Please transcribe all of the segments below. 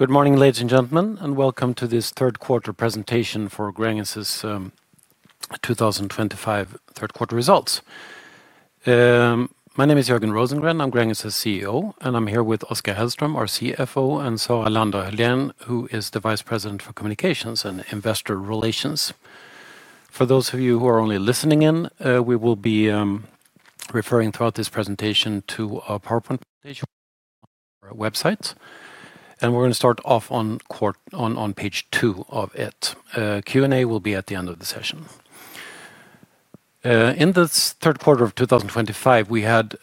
Good morning, ladies and gentlemen, and welcome to this third quarter presentation for Gränges' 2025 third quarter results. My name is Jörgen Rosengren, I'm Gränges' CEO, and I'm here with Oskar Hellström, our CFO, and Sara Lander Hyléen, who is the Vice President for Communications and Investor Relations. For those of you who are only listening in, we will be referring throughout this presentation to our PowerPoint presentation on our website. We're going to start off on page two of it. Q&A will be at the end of the session. In the third quarter of 2025, we had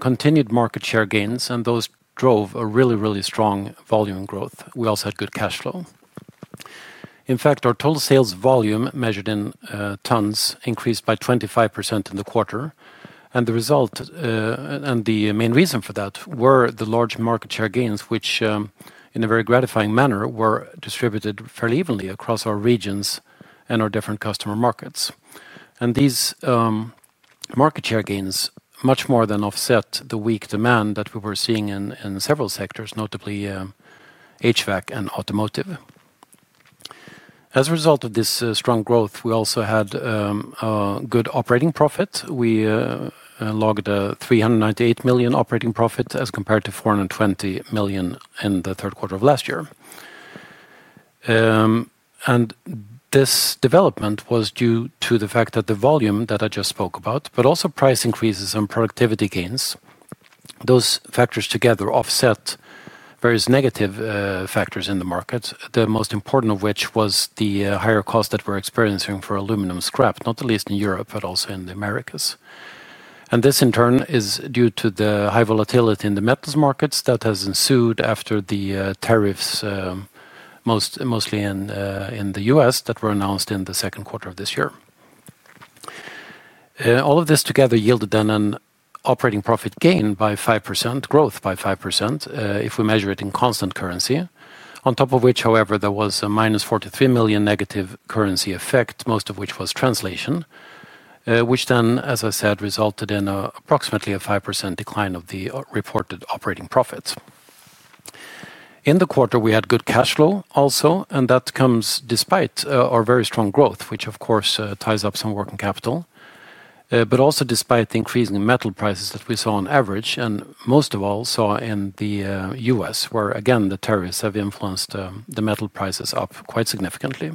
continued market share gains, and those drove a really, really strong volume growth. We also had good cash flow. In fact, our total sales volume measured in tons increased by 25% in the quarter. The result, and the main reason for that, were the large market share gains, which in a very gratifying manner were distributed fairly evenly across our regions and our different customer markets. These market share gains much more than offset the weak demand that we were seeing in several sectors, notably HVAC and automotive. As a result of this strong growth, we also had a good operating profit. We logged a 398 million operating profit as compared to 420 million in the third quarter of last year. This development was due to the fact that the volume that I just spoke about, but also price increases and productivity gains. Those factors together offset various negative factors in the market, the most important of which was the higher cost that we're experiencing for aluminum scrap, not the least in Europe, but also in the Americas. This in turn is due to the high volatility in the metals markets that has ensued after the tariffs, mostly in the U.S., that were announced in the second quarter of this year. All of this together yielded an operating profit gain by 5%, growth by 5% if we measure it in constant currency. On top of which, however, there was a 43 million negative currency effect, most of which was translation, which then, as I said, resulted in approximately a 5% decline of the reported operating profits. In the quarter, we had good cash flow also, and that comes despite our very strong growth, which of course ties up some working capital, but also despite the increase in metal prices that we saw on average, and most of all saw in the U.S., where again the tariffs have influenced the metal prices up quite significantly.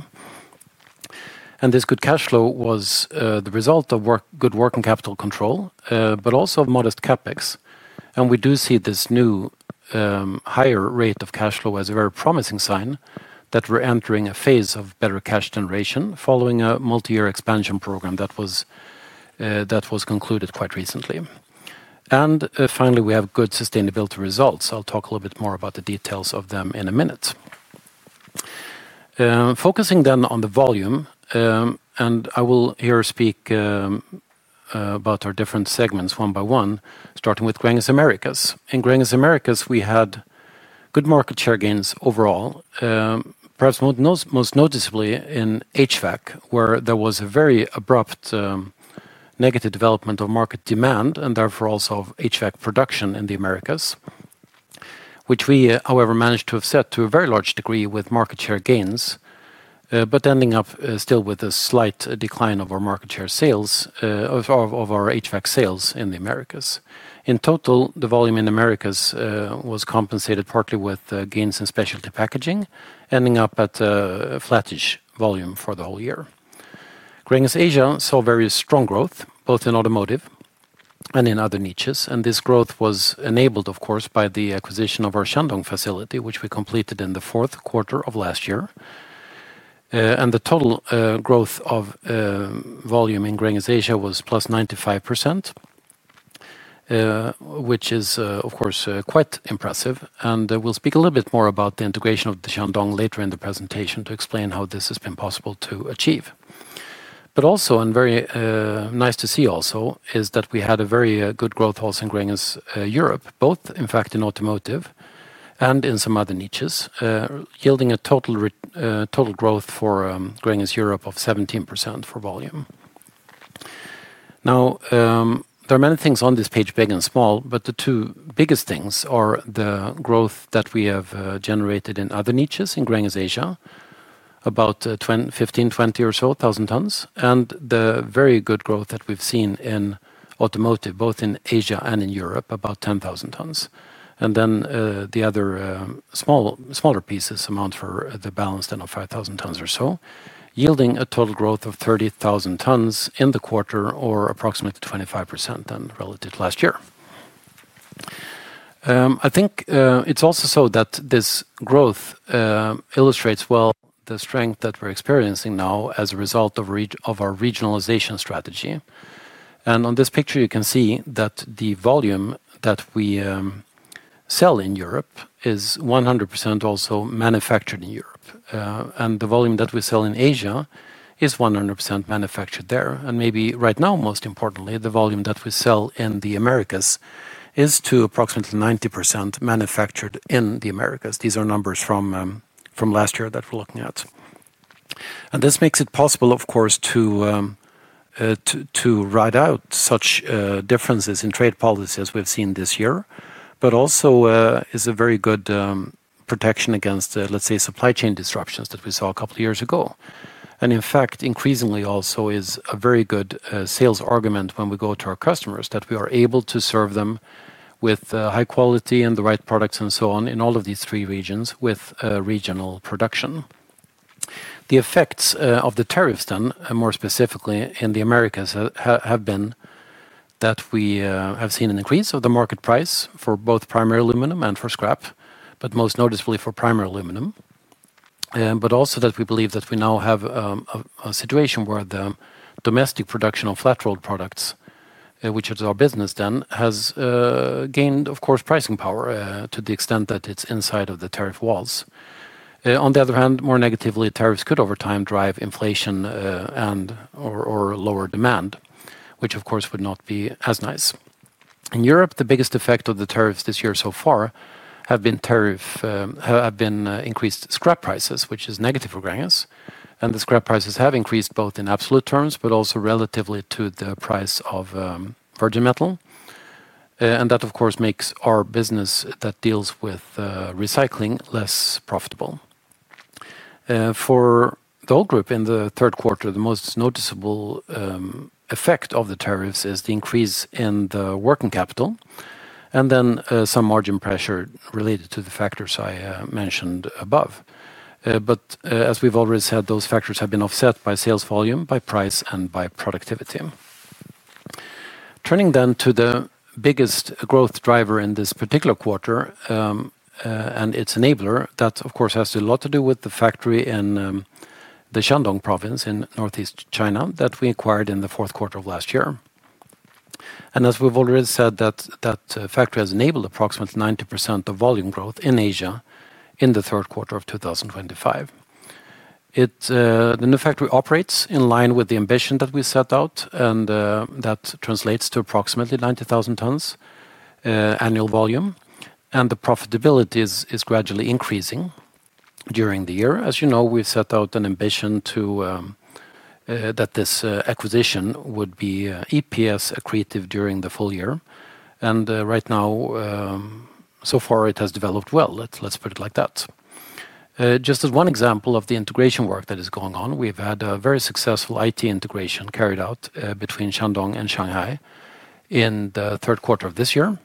This good cash flow was the result of good working capital control, but also of modest CapEx. We do see this new higher rate of cash flow as a very promising sign that we're entering a phase of better cash generation following a multi-year expansion program that was concluded quite recently. Finally, we have good sustainability results. I'll talk a little bit more about the details of them in a minute. Focusing then on the volume, I will here speak about our different segments one by one, starting with Gränges Americas. In Gränges Americas, we had good market share gains overall, perhaps most noticeably in HVAC, where there was a very abrupt negative development of market demand and therefore also HVAC production in the Americas, which we, however, managed to offset to a very large degree with market share gains, but ending up still with a slight decline of our HVAC sales in the Americas. In total, the volume in the Americas was compensated partly with gains in specialty packaging, ending up at a flattish volume for the whole year. Gränges Asia saw very strong growth, both in automotive and in other niches, and this growth was enabled, of course, by the acquisition of our Shandong facility, which we completed in the fourth quarter of last year. The total growth of volume in Gränges Asia was +95%, which is, of course, quite impressive. We'll speak a little bit more about the integration of the Shandong facility later in the presentation to explain how this has been possible to achieve. Also, and very nice to see, we had very good growth also in Gränges Europe, both in fact in automotive and in some other niches, yielding a total growth for Gränges Europe of 17% for volume. There are many things on this page, big and small, but the two biggest things are the growth that we have generated in other niches in Gränges Asia, about 15,000-20,000 or so tons, and the very good growth that we've seen in automotive, both in Asia and in Europe, about 10,000 tons. The other smaller pieces amount for the balance then of 5,000 tons or so, yielding a total growth of 30,000 tons in the quarter, or approximately 25% then relative to last year. I think it's also so that this growth illustrates well the strength that we're experiencing now as a result of our regionalization strategy. On this picture, you can see that the volume that we sell in Europe is 100% also manufactured in Europe. The volume that we sell in Asia is 100% manufactured there. Maybe right now, most importantly, the volume that we sell in the Americas is to approximately 90% manufactured in the Americas. These are numbers from last year that we're looking at. This makes it possible, of course, to ride out such differences in trade policy as we've seen this year, but also is a very good protection against, let's say, supply chain disruptions that we saw a couple of years ago. In fact, increasingly also is a very good sales argument when we go to our customers that we are able to serve them with high quality and the right products and so on in all of these three regions with regional production. The effects of the tariffs then, more specifically in the Americas, have been that we have seen an increase of the market price for both primary aluminum and for scrap, but most noticeably for primary aluminum. We believe that we now have a situation where the domestic production of flat-rolled products, which is our business then, has gained, of course, pricing power to the extent that it's inside of the tariff walls. On the other hand, more negatively, tariffs could over time drive inflation and/or lower demand, which of course would not be as nice. In Europe, the biggest effect of the tariffs this year so far have been increased scrap prices, which is negative for Gränges. The scrap prices have increased both in absolute terms, but also relatively to the price of virgin metal. That, of course, makes our business that deals with recycling less profitable. For the whole group in the third quarter, the most noticeable effect of the tariffs is the increase in the working capital and then some margin pressure related to the factors I mentioned above. As we've always said, those factors have been offset by sales volume, by price, and by productivity. Turning then to the biggest growth driver in this particular quarter and its enabler, that of course has a lot to do with the factory in the Shandong province in northeast China that we acquired in the fourth quarter of last year. As we've already said, that factory has enabled approximately 90% of volume growth in Asia in the third quarter of 2025. The new factory operates in line with the ambition that we set out, and that translates to approximately 90,000 tons annual volume. The profitability is gradually increasing during the year. As you know, we've set out an ambition that this acquisition would be EPS accretive during the full year. Right now, so far, it has developed well. Let's put it like that. Just as one example of the integration work that is going on, we've had a very successful IT integration carried out between Shandong and Shanghai in the third quarter of this year.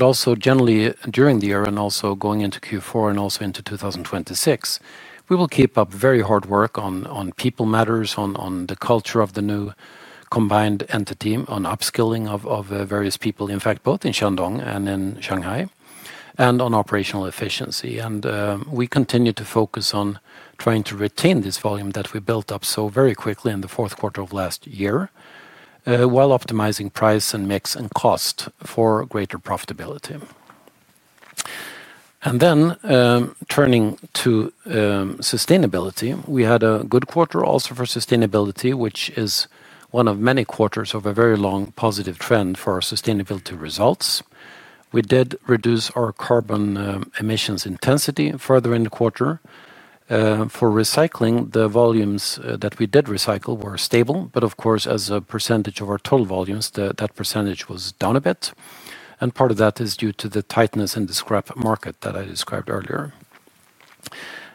Also generally during the year and going into Q4 and into 2026, we will keep up very hard work on people matters, on the culture of the new combined entity, on upskilling of various people, in fact, both in Shandong and in Shanghai, and on operational efficiency. We continue to focus on trying to retain this volume that we built up so very quickly in the fourth quarter of last year, while optimizing price and mix and cost for greater profitability. Turning to sustainability, we had a good quarter also for sustainability, which is one of many quarters of a very long positive trend for our sustainability results. We did reduce our carbon emissions intensity further in the quarter. For recycling, the volumes that we did recycle were stable, but of course, as 1% of our total volumes, that percentage was down a bit. Part of that is due to the tightness in the scrap market that I described earlier.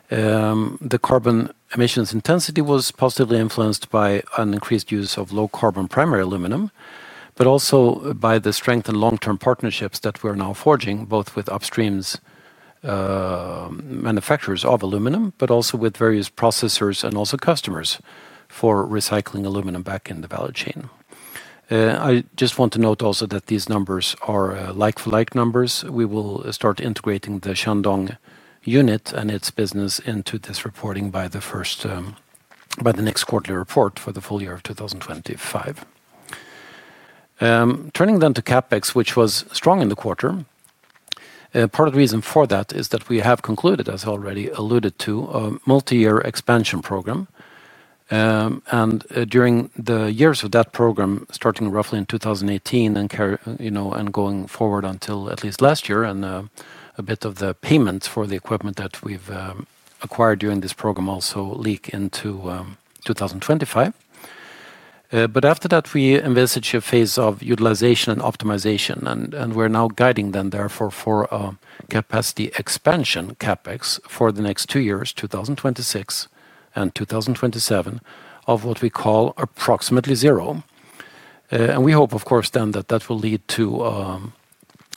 The carbon emissions intensity was positively influenced by an increased use of low carbon primary aluminum, but also by the strength and long-term partnerships that we're now forging, both with upstream manufacturers of aluminum, but also with various processors and customers for recycling aluminum back in the value chain. I just want to note also that these numbers are like-for-like numbers. We will start integrating the Shandong unit and its business into this reporting by the next quarterly report for the full year of 2025. Turning then to CapEx, which was strong in the quarter, part of the reason for that is that we have concluded, as I already alluded to, a multi-year expansion program. During the years of that program, starting roughly in 2018 and going forward until at least last year, a bit of the payments for the equipment that we've acquired during this program also leak into 2025. After that, we envisage a phase of utilization and optimization, and we're now guiding, therefore, for a capacity expansion CapEx for the next two years, 2026 and 2027, of what we call approximately zero. We hope, of course, that that will lead to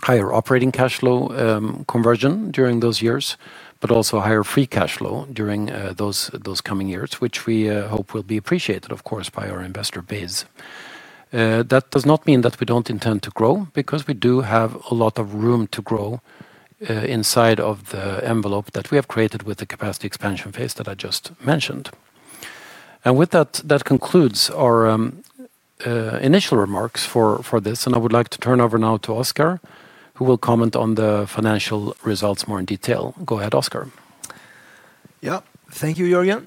higher operating cash flow conversion during those years, but also higher free cash flow during those coming years, which we hope will be appreciated, of course, by our investor base. That does not mean that we don't intend to grow, because we do have a lot of room to grow inside of the envelope that we have created with the capacity expansion phase that I just mentioned. With that, that concludes our initial remarks for this, and I would like to turn over now to Oskar, who will comment on the financial results more in detail. Go ahead, Oskar. Yeah, thank you, Jörgen.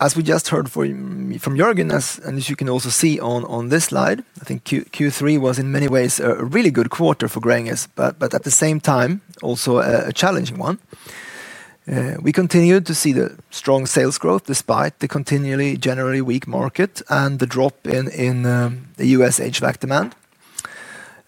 As we just heard from Jörgen, and as you can also see on this slide, I think Q3 was in many ways a really good quarter for Gränges, but at the same time, also a challenging one. We continued to see the strong sales growth despite the continually generally weak market and the drop in the U.S. HVAC demand.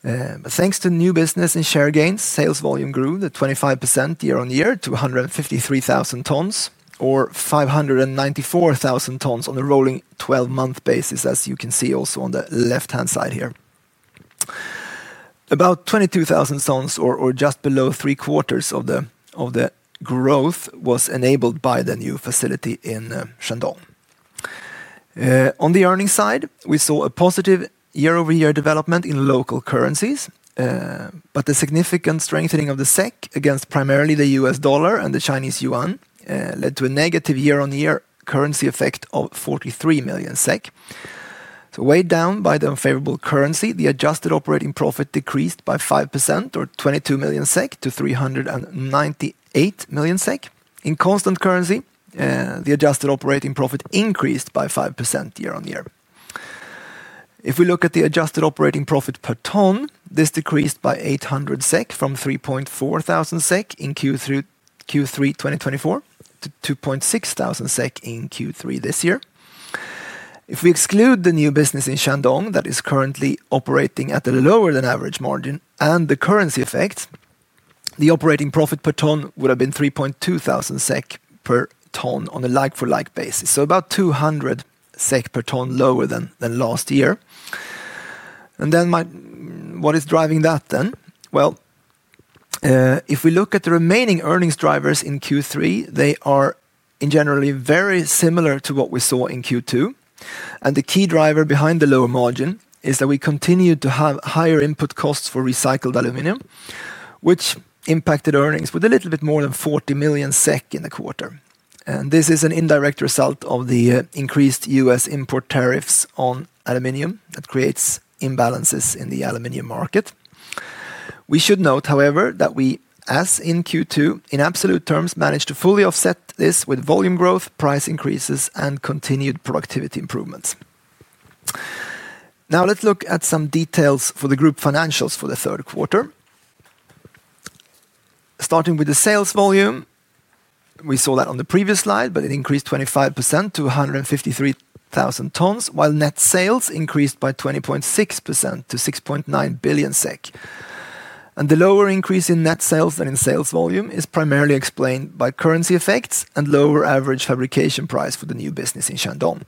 Thanks to new business and share gains, sales volume grew 25% year-on-year to 153,000 tons, or 594,000 tons on a rolling 12-month basis, as you can see also on the left-hand side here. About 22,000 tons or just below three quarters of the growth was enabled by the new facility in Shandong. On the earnings side, we saw a positive year-over-year development in local currencies, but the significant strengthening of the SEK against primarily the U.S. dollar and the Chinese yuan led to a negative year-on-year currency effect of 43 million SEK. Weighed down by the unfavorable currency, the adjusted operating profit decreased by 5% or 22 million SEK to 398 million SEK. In constant currency, the adjusted operating profit increased by 5% year-on-year. If we look at the adjusted operating profit per ton, this decreased by 800 SEK from 3,400 SEK in Q3 2024 to 2,600 SEK in Q3 this year. If we exclude the new business in Shandong that is currently operating at a lower than average margin and the currency effect, the operating profit per ton would have been 3,200 SEK per ton on a like-for-like basis, about 200 SEK per ton lower than last year. What is driving that then? If we look at the remaining earnings drivers in Q3, they are generally very similar to what we saw in Q2. The key driver behind the lower margin is that we continue to have higher input costs for recycled aluminum, which impacted earnings with a little bit more than 40 million SEK in the quarter. This is an indirect result of the increased U.S. import tariffs on aluminum that creates imbalances in the aluminum market. We should note, however, that we, as in Q2, in absolute terms managed to fully offset this with volume growth, price increases, and continued productivity improvements. Now let's look at some details for the group financials for the third quarter. Starting with the sales volume, we saw that on the previous slide, but it increased 25% to 153,000 tons, while net sales increased by 20.6% to 6.9 billion SEK. The lower increase in net sales than in sales volume is primarily explained by currency effects and lower average fabrication price for the new business in Shandong.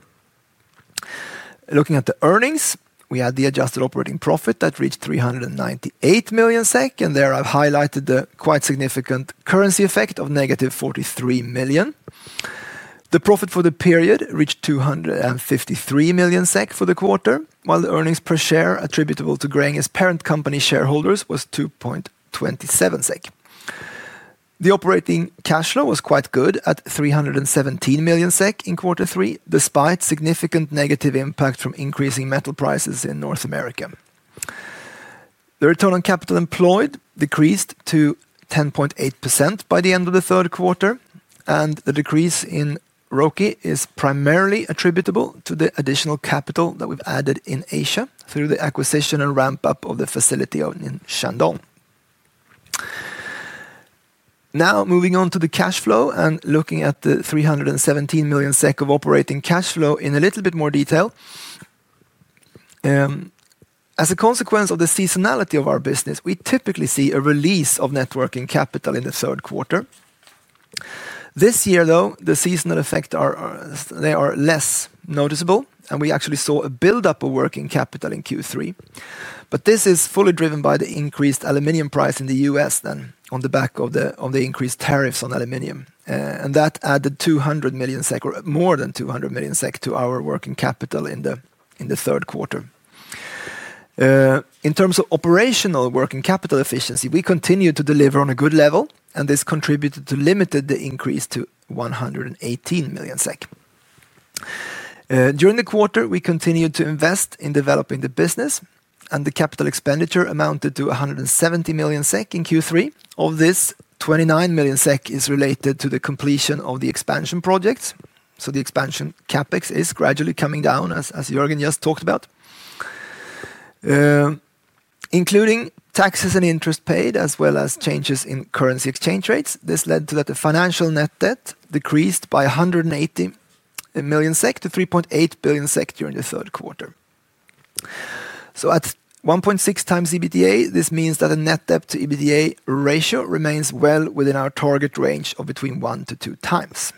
Looking at the earnings, we had the adjusted operating profit that reached 398 million SEK, and there I've highlighted the quite significant currency effect of negative 43 million. The profit for the period reached 253 million SEK for the quarter, while the earnings per share attributable to Gränges' parent company shareholders was 2.27 SEK. The operating cash flow was quite good at 317 million SEK in quarter three, despite significant negative impact from increasing metal prices in North America. The return on capital employed decreased to 10.8% by the end of the third quarter, and the decrease in ROCE is primarily attributable to the additional capital that we've added in Asia through the acquisition and ramp-up of the facility in Shandong. Now moving on to the cash flow and looking at the 317 million SEK of operating cash flow in a little bit more detail. As a consequence of the seasonality of our business, we typically see a release of net working capital in the third quarter. This year, though, the seasonal effects are less noticeable, and we actually saw a build-up of working capital in Q3. This is fully driven by the increased aluminum price in the U.S. on the back of the increased tariffs on aluminum. That added 200 million SEK, or more than 200 million SEK, to our working capital in the third quarter. In terms of operational working capital efficiency, we continue to deliver on a good level, and this contributed to limiting the increase to 118 million SEK. During the quarter, we continued to invest in developing the business, and the capital expenditure amounted to 170 million SEK in Q3. Of this, 29 million SEK is related to the completion of the expansion projects. The expansion CapEx is gradually coming down, as Jörgen just talked about, including taxes and interest paid, as well as changes in currency exchange rates. This led to the financial net debt decreasing by 180 million SEK to 3.8 billion SEK during the third quarter. At 1.6 times EBITDA, this means that the net debt to EBITDA ratio remains well within our target range of between 1-2 times.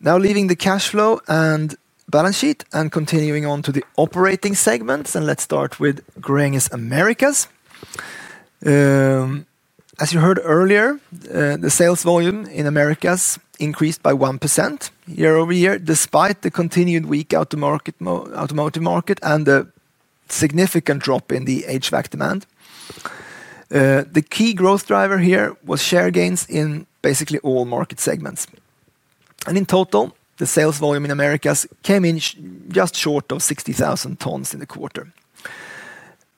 Now leaving the cash flow and balance sheet and continuing on to the operating segments, let's start with Gränges Americas. As you heard earlier, the sales volume in Americas increased by 1% year-over-year, despite the continued weak automotive market and the significant drop in the HVAC demand. The key growth driver here was share gains in basically all market segments. In total, the sales volume in Americas came in just short of 60,000 tons in the quarter.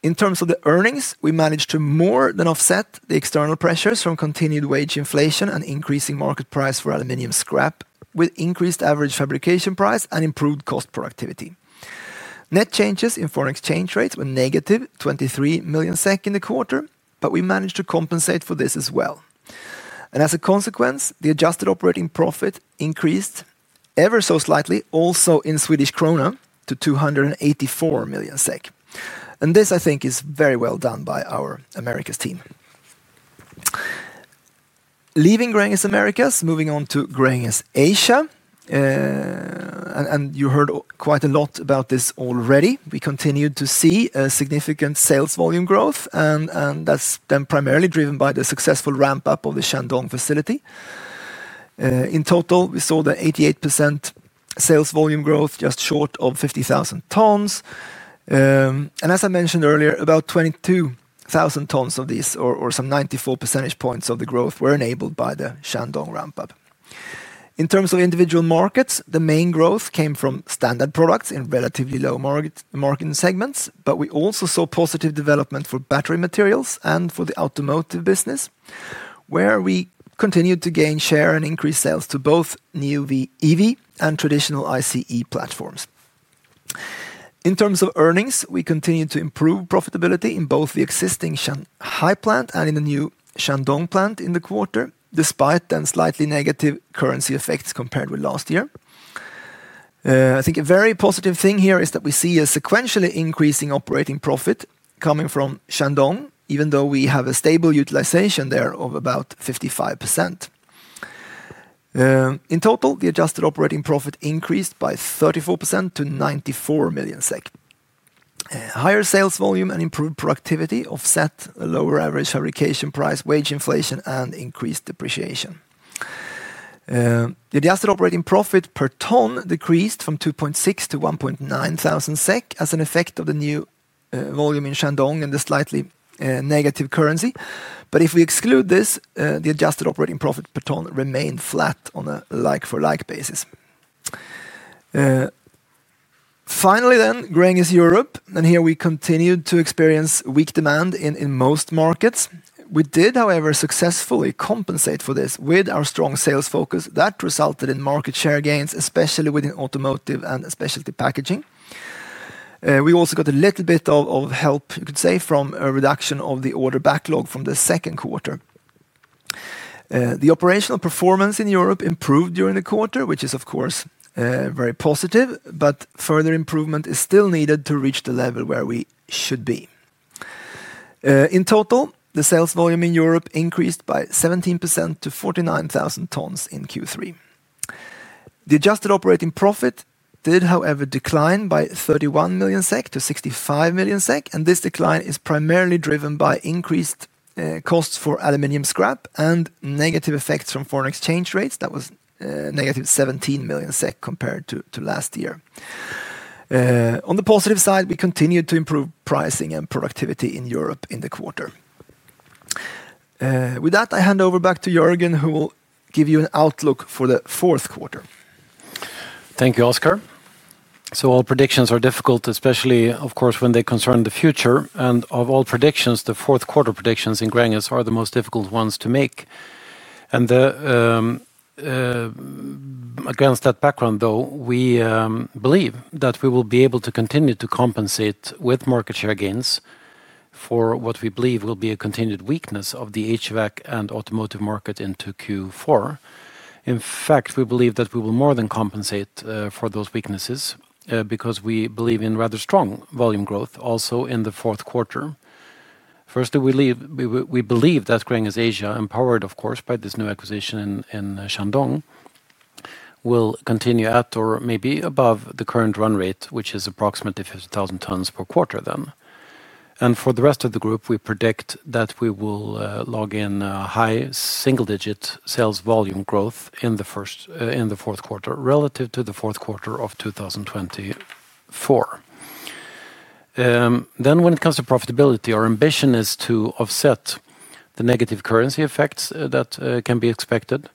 In terms of the earnings, we managed to more than offset the external pressures from continued wage inflation and increasing market price for aluminum scrap, with increased average fabrication price and improved cost productivity. Net changes in foreign exchange rates were negative 23 million SEK in the quarter, but we managed to compensate for this as well. As a consequence, the adjusted operating profit increased ever so slightly, also in Swedish krona, to 284 million SEK. I think this is very well done by our Americas team. Leaving Gränges Americas, moving on to Gränges Asia, and you heard quite a lot about this already, we continued to see significant sales volume growth, primarily driven by the successful ramp-up of the Shandong facility. In total, we saw the 88% sales volume growth just short of 50,000 tons. As I mentioned earlier, about 22,000 tons of these, or some 94 percentage points of the growth, were enabled by the Shandong ramp-up. In terms of individual markets, the main growth came from standard products in relatively low market segments, but we also saw positive development for battery materials and for the automotive business, where we continued to gain share and increase sales to both new EV and traditional ICE platforms. In terms of earnings, we continued to improve profitability in both the existing Shanghai plant and in the new Shandong plant in the quarter, despite slightly negative currency effects compared with last year. I think a very positive thing here is that we see a sequentially increasing operating profit coming from Shandong, even though we have a stable utilization there of about 55%. In total, the adjusted operating profit increased by 34% to 94 million SEK. Higher sales volume and improved productivity offset the lower average fabrication price, wage inflation, and increased depreciation. The adjusted operating profit per ton decreased from 2,600-1,900 SEK as an effect of the new volume in Shandong and the slightly negative currency. If we exclude this, the adjusted operating profit per ton remained flat on a like-for-like basis. Finally, then, Gränges Europe, and here we continued to experience weak demand in most markets. We did, however, successfully compensate for this with our strong sales focus that resulted in market share gains, especially within automotive and specialty packaging. We also got a little bit of help, you could say, from a reduction of the order backlog from the second quarter. The operational performance in Europe improved during the quarter, which is, of course, very positive, but further improvement is still needed to reach the level where we should be. In total, the sales volume in Europe increased by 17% to 49,000 tons in Q3. The adjusted operating profit did, however, decline by 31 million-65 million SEK, and this decline is primarily driven by increased costs for aluminum scrap and negative effects from foreign exchange rates that was -17 million SEK compared to last year. On the positive side, we continued to improve pricing and productivity in Europe in the quarter. With that, I hand over back to Jörgen, who will give you an outlook for the fourth quarter. Thank you, Oskar. All predictions are difficult, especially, of course, when they concern the future. Of all predictions, the fourth quarter predictions in Gränges are the most difficult ones to make. Against that background, though, we believe that we will be able to continue to compensate with market share gains for what we believe will be a continued weakness of the HVAC and automotive market into Q4. In fact, we believe that we will more than compensate for those weaknesses because we believe in rather strong volume growth also in the fourth quarter. Firstly, we believe that Gränges Asia, empowered, of course, by this new acquisition in Shandong, will continue at or maybe above the current run rate, which is approximately 50,000 tons per quarter. For the rest of the group, we predict that we will log in high single-digit sales volume growth in the fourth quarter relative to the fourth quarter of 2024. When it comes to profitability, our ambition is to offset the negative currency effects that can be expected,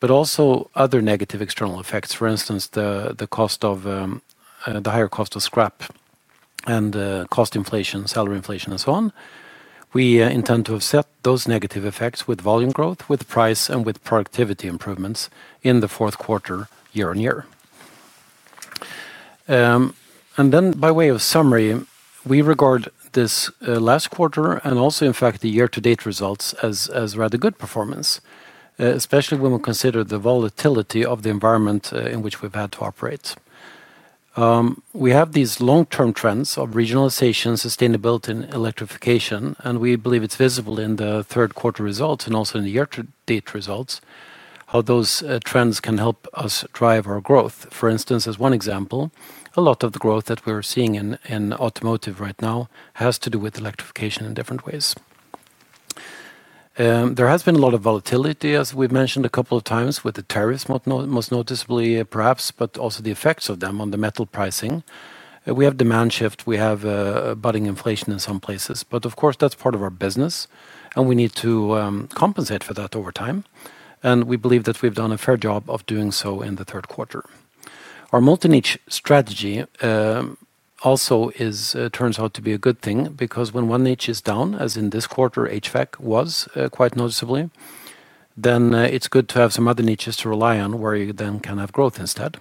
but also other negative external effects, for instance, the higher cost of scrap and cost inflation, salary inflation, and so on. We intend to offset those negative effects with volume growth, with price, and with productivity improvements in the fourth quarter year on year. By way of summary, we regard this last quarter and also, in fact, the year-to-date results as rather good performance, especially when we consider the volatility of the environment in which we've had to operate. We have these long-term trends of regionalization, sustainability, and electrification, and we believe it's visible in the third quarter results and also in the year-to-date results, how those trends can help us drive our growth. For instance, as one example, a lot of the growth that we're seeing in automotive right now has to do with electrification in different ways. There has been a lot of volatility, as we mentioned a couple of times, with the tariffs most noticeably, perhaps, but also the effects of them on the metal pricing. We have demand shift, we have budding inflation in some places, but of course, that's part of our business, and we need to compensate for that over time. We believe that we've done a fair job of doing so in the third quarter. Our multi-niche strategy also turns out to be a good thing because when one niche is down, as in this quarter, HVAC was quite noticeably, then it's good to have some other niches to rely on where you then can have growth instead.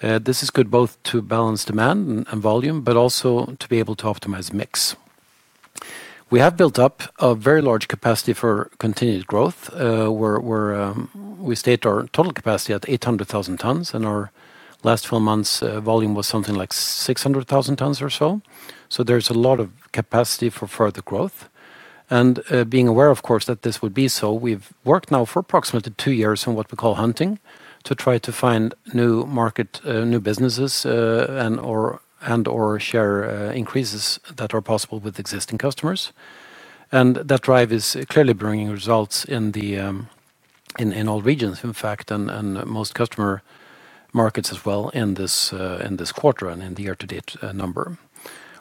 This is good both to balance demand and volume, but also to be able to optimize mix. We have built up a very large capacity for continued growth. We state our total capacity at 800,000 tons, and our last 12 months' volume was something like 600,000 tons or so. There's a lot of capacity for further growth. Being aware, of course, that this would be so, we've worked now for approximately two years on what we call hunting, to try to find new market, new businesses, and/or share increases that are possible with existing customers. That drive is clearly bringing results in all regions, in fact, and most customer markets as well in this quarter and in the year-to-date number.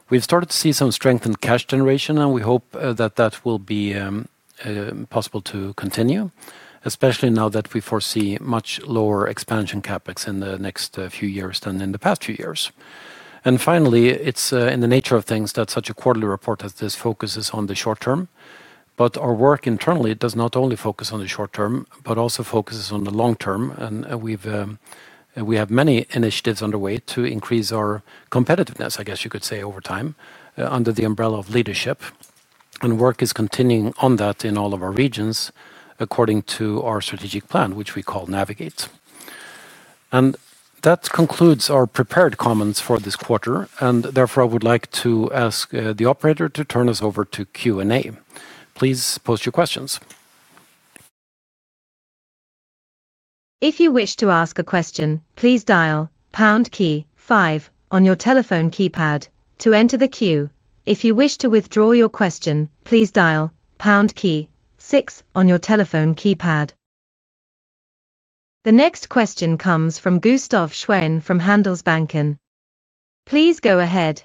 We've started to see some strength in cash generation, and we hope that that will be possible to continue, especially now that we foresee much lower expansion CapEx in the next few years than in the past few years. Finally, it's in the nature of things that such a quarterly report as this focuses on the short term, but our work internally does not only focus on the short term, but also focuses on the long term. We have many initiatives underway to increase our competitiveness, I guess you could say, over time, under the umbrella of leadership. Work is continuing on that in all of our regions, according to our strategic plan, which we call Navigate. That concludes our prepared comments for this quarter. Therefore, I would like to ask the operator to turn us over to Q&A. Please post your questions. If you wish to ask a question, please dial pound key five on your telephone keypad to enter the queue. If you wish to withdraw your question, please dial pound key six on your telephone keypad. The next question comes from Gustaf Schwerin from Handelsbanken. Please go ahead.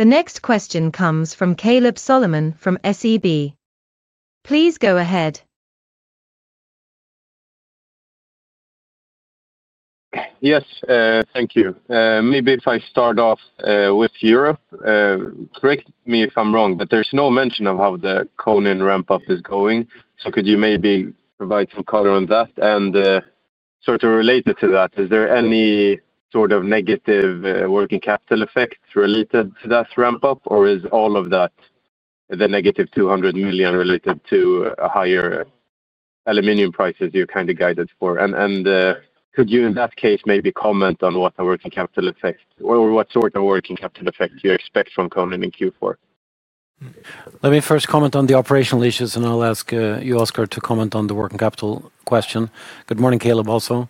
The next question comes from Kaleb Solomon from SEB. Please go ahead. Yes, thank you. Maybe if I start off with Europe, correct me if I'm wrong, but there's no mention of how the Kronen ramp-up is going. Could you maybe provide some color on that? Sort of related to that, is there any sort of negative working capital effect related to that ramp-up, or is all of that the -200 million related to higher aluminum prices you're kind of guided for? Could you, in that case, maybe comment on what the working capital effect or what sort of working capital effect you expect from Kronen in Q4? Let me first comment on the operational issues, and I'll ask you, Oskar, to comment on the working capital question. Good morning, Kaleb, also.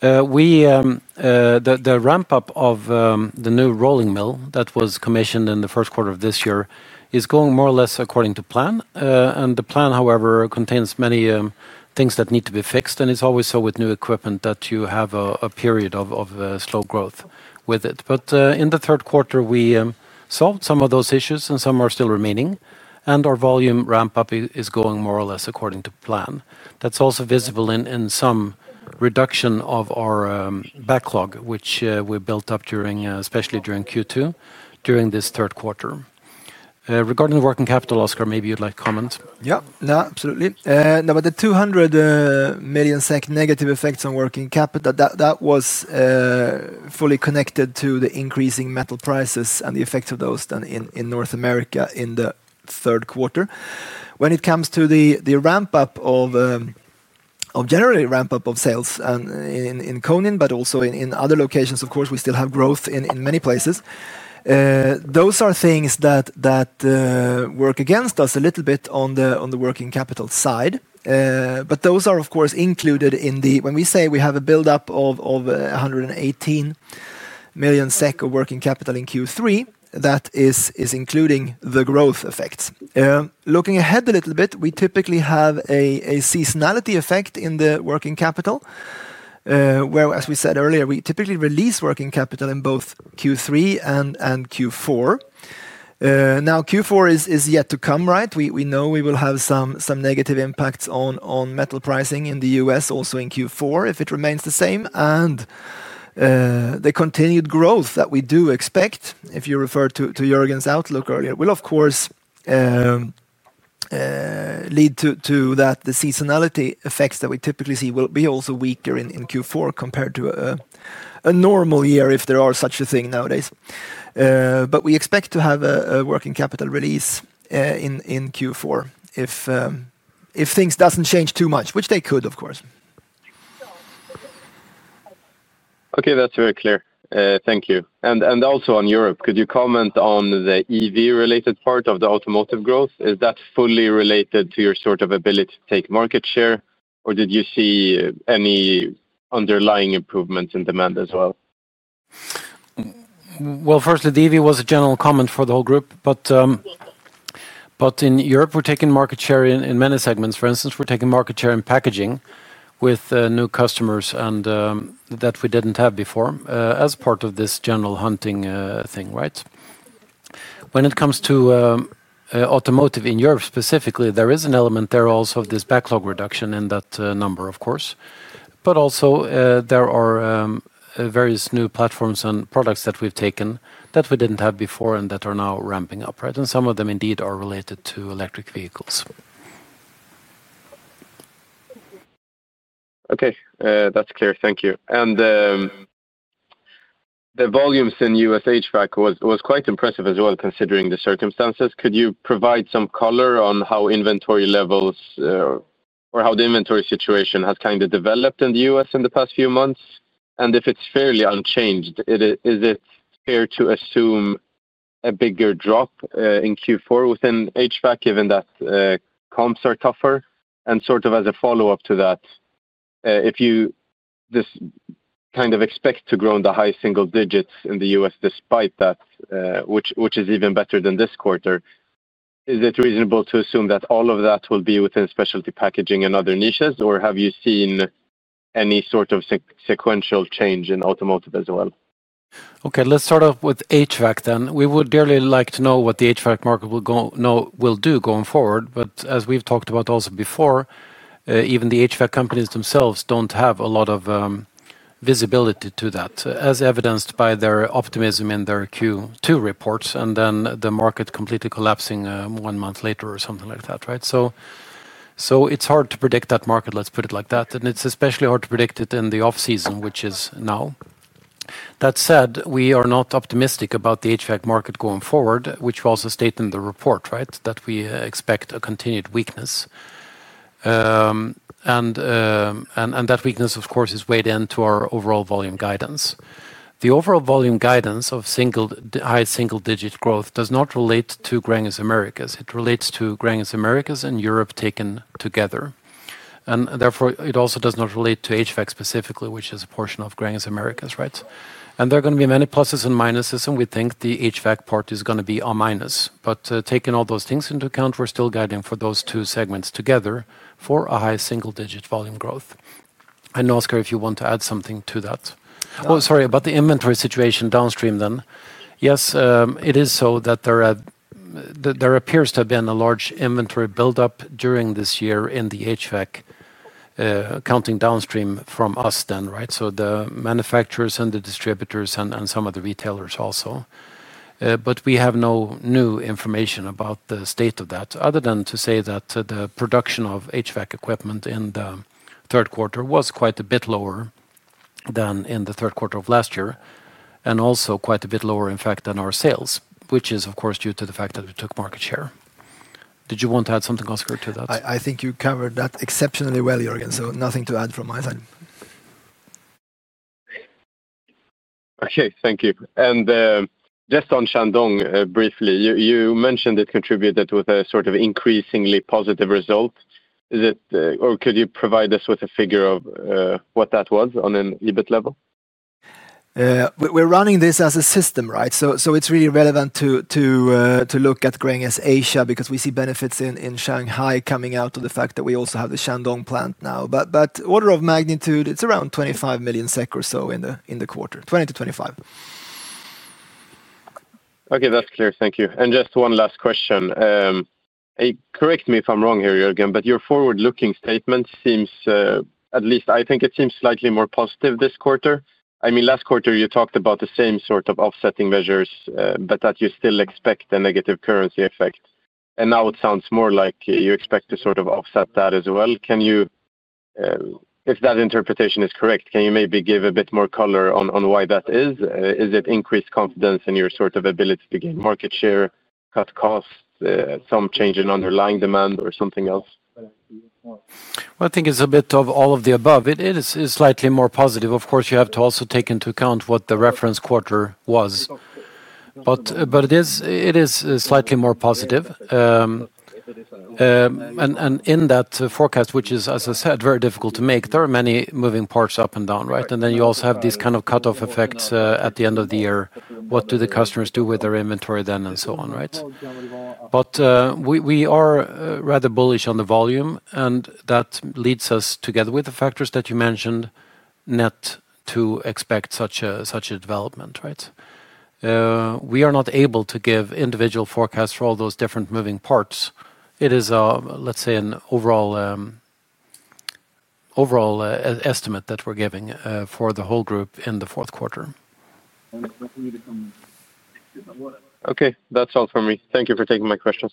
The ramp-up of the new rolling mill that was commissioned in the first quarter of this year is going more or less according to plan. The plan, however, contains many things that need to be fixed, and it's always so with new equipment that you have a period of slow growth with it. In the third quarter, we solved some of those issues, and some are still remaining. Our volume ramp-up is going more or less according to plan. That's also visible in some reduction of our backlog, which we built up especially during Q2, during this third quarter. Regarding the working capital, Oskar, maybe you'd like to comment? Yeah, absolutely. Now, with the 200 million SEK negative effects on working capital, that was fully connected to the increasing metal prices and the effects of those in North America in the third quarter. When it comes to the ramp-up of, generally, ramp-up of sales in Kronen, but also in other locations, of course, we still have growth in many places. Those are things that work against us a little bit on the working capital side. Those are, of course, included in the, when we say we have a build-up of 118 million SEK of working capital in Q3, that is including the growth effects. Looking ahead a little bit, we typically have a seasonality effect in the working capital, where, as we said earlier, we typically release working capital in both Q3 and Q4. Q4 is yet to come, right? We know we will have some negative impacts on metal pricing in the U.S., also in Q4, if it remains the same. The continued growth that we do expect, if you refer to Jörgen's outlook earlier, will, of course, lead to that the seasonality effects that we typically see will be also weaker in Q4 compared to a normal year, if there is such a thing nowadays. We expect to have a working capital release in Q4, if things don't change too much, which they could, of course. Okay, that's very clear. Thank you. Also on Europe, could you comment on the EV-related part of the automotive growth? Is that fully related to your sort of ability to take market share, or did you see any underlying improvements in demand as well? Firstly, the EV was a general comment for the whole group, but in Europe, we're taking market share in many segments. For instance, we're taking market share in packaging with new customers that we didn't have before as part of this general hunting thing, right? When it comes to automotive in Europe specifically, there is an element there also of this backlog reduction in that number, of course. There are various new platforms and products that we've taken that we didn't have before and that are now ramping up, right? Some of them indeed are related to electric vehicles. Okay, that's clear. Thank you. The volumes in U.S. HVAC were quite impressive as well, considering the circumstances. Could you provide some color on how inventory levels or how the inventory situation has kind of developed in the U.S. in the past few months? If it's fairly unchanged, is it fair to assume a bigger drop in Q4 within HVAC, given that comps are tougher? As a follow-up to that, if you kind of expect to grow in the high single digits in the U.S. despite that, which is even better than this quarter, is it reasonable to assume that all of that will be within specialty packaging and other niches, or have you seen any sort of sequential change in automotive as well? Okay, let's start off with HVAC then. We would dearly like to know what the HVAC market will do going forward, but as we've talked about also before, even the HVAC companies themselves don't have a lot of visibility to that, as evidenced by their optimism in their Q2 reports and then the market completely collapsing one month later or something like that, right? It's hard to predict that market, let's put it like that. It's especially hard to predict it in the off-season, which is now. That said, we are not optimistic about the HVAC market going forward, which was a state in the report, right? That we expect a continued weakness. That weakness, of course, is weighed into our overall volume guidance. The overall volume guidance of high single-digit growth does not relate to Gränges Americas. It relates to Gränges Americas and Europe taken together. Therefore, it also does not relate to HVAC specifically, which is a portion of Gränges Americas, right? There are going to be many pluses and minuses, and we think the HVAC part is going to be a minus. Taking all those things into account, we're still guiding for those two segments together for a high single-digit volume growth. I know, Oskar, if you want to add something to that. Oh, sorry, about the inventory situation downstream then. Yes, it is so that there appears to have been a large inventory build-up during this year in the HVAC, counting downstream from us then, right? The manufacturers and the distributors and some of the retailers also. We have no new information about the state of that, other than to say that the production of HVAC equipment in the third quarter was quite a bit lower than in the third quarter of last year. Also quite a bit lower, in fact, than our sales, which is, of course, due to the fact that we took market share. Did you want to add something, Oskar, to that? I think you covered that exceptionally well, Jörgen, so nothing to add from my side. Okay, thank you. Just on Shandong briefly, you mentioned it contributed with a sort of increasingly positive result. Could you provide us with a figure of what that was on an EBIT level? We're running this as a system, right? It's really relevant to look at Gränges Asia because we see benefits in Shanghai coming out of the fact that we also have the Shandong facility now. Order of magnitude, it's around 25 million SEK or so in the quarter, 20 million-25 million. Okay, that's clear. Thank you. Just one last question. Correct me if I'm wrong here, Jörgen, but your forward-looking statement seems, at least I think it seems slightly more positive this quarter. Last quarter you talked about the same sort of offsetting measures, but that you still expect a negative currency effect. Now it sounds more like you expect to sort of offset that as well. If that interpretation is correct, can you maybe give a bit more color on why that is? Is it increased confidence in your sort of ability to gain market share, cut costs, some change in underlying demand, or something else? I think it's a bit of all of the above. It is slightly more positive. Of course, you have to also take into account what the reference quarter was. It is slightly more positive. In that forecast, which is, as I said, very difficult to make, there are many moving parts up and down, right? You also have these kind of cutoff effects at the end of the year. What do the customers do with their inventory then and so on, right? We are rather bullish on the volume, and that leads us, together with the factors that you mentioned, net to expect such a development, right? We are not able to give individual forecasts for all those different moving parts. It is, let's say, an overall estimate that we're giving for the whole group in the fourth quarter. Okay, that's all for me. Thank you for taking my questions.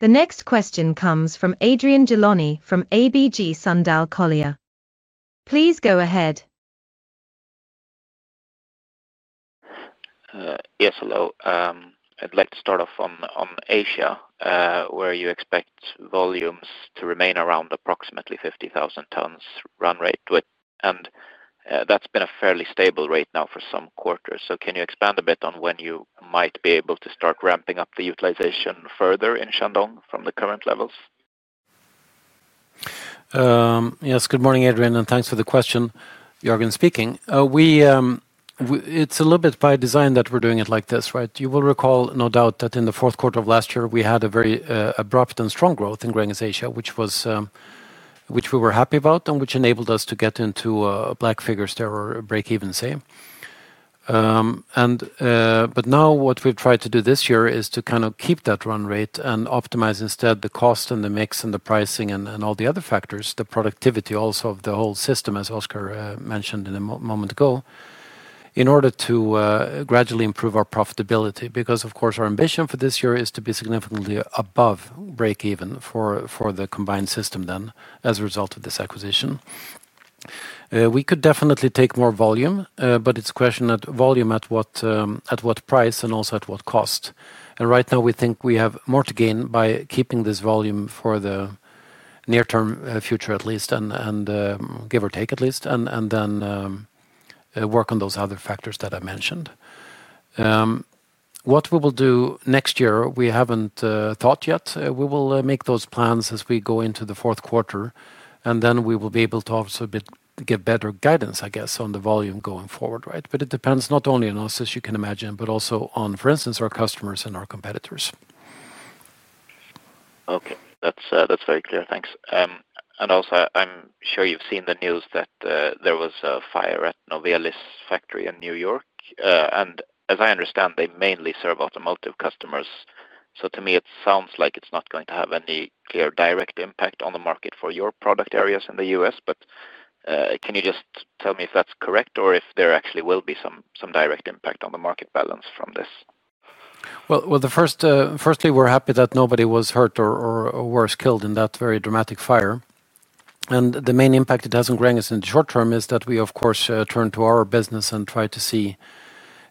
The next question comes from Adrian Gilani from ABG Sundal Collier. Please go ahead. Yes, hello. I'd like to start off on Asia, where you expect volumes to remain around approximately 50,000 tons run rate. That's been a fairly stable rate now for some quarters. Can you expand a bit on when you might be able to start ramping up the utilization further in Shandong from the current levels? Yes, good morning, Adrian, and thanks for the question. Jörgen speaking. It's a little bit by design that we're doing it like this, right? You will recall, no doubt, that in the fourth quarter of last year, we had a very abrupt and strong growth in Gränges Asia, which we were happy about and which enabled us to get into a black figure, or break even, say. Now what we've tried to do this year is to kind of keep that run rate and optimize instead the cost and the mix and the pricing and all the other factors, the productivity also of the whole system, as Oskar mentioned a moment ago, in order to gradually improve our profitability. Because, of course, our ambition for this year is to be significantly above break even for the combined system as a result of this acquisition. We could definitely take more volume, but it's a question of volume at what price and also at what cost. Right now, we think we have more to gain by keeping this volume for the near-term future at least, and then work on those other factors that I mentioned. What we will do next year, we haven't thought yet. We will make those plans as we go into the fourth quarter, and then we will be able to also give better guidance, I guess, on the volume going forward, right? It depends not only on us, as you can imagine, but also on, for instance, our customers and our competitors. Okay, that's very clear. Thanks. I'm sure you've seen the news that there was a fire at the Novelis factory in New York. As I understand, they mainly serve automotive customers. To me, it sounds like it's not going to have any clear direct impact on the market for your product areas in the U.S. Can you just tell me if that's correct or if there actually will be some direct impact on the market balance from this? Firstly, we're happy that nobody was hurt or worse killed in that very dramatic fire. The main impact it has on Gränges in the short term is that we, of course, turn to our business and try to see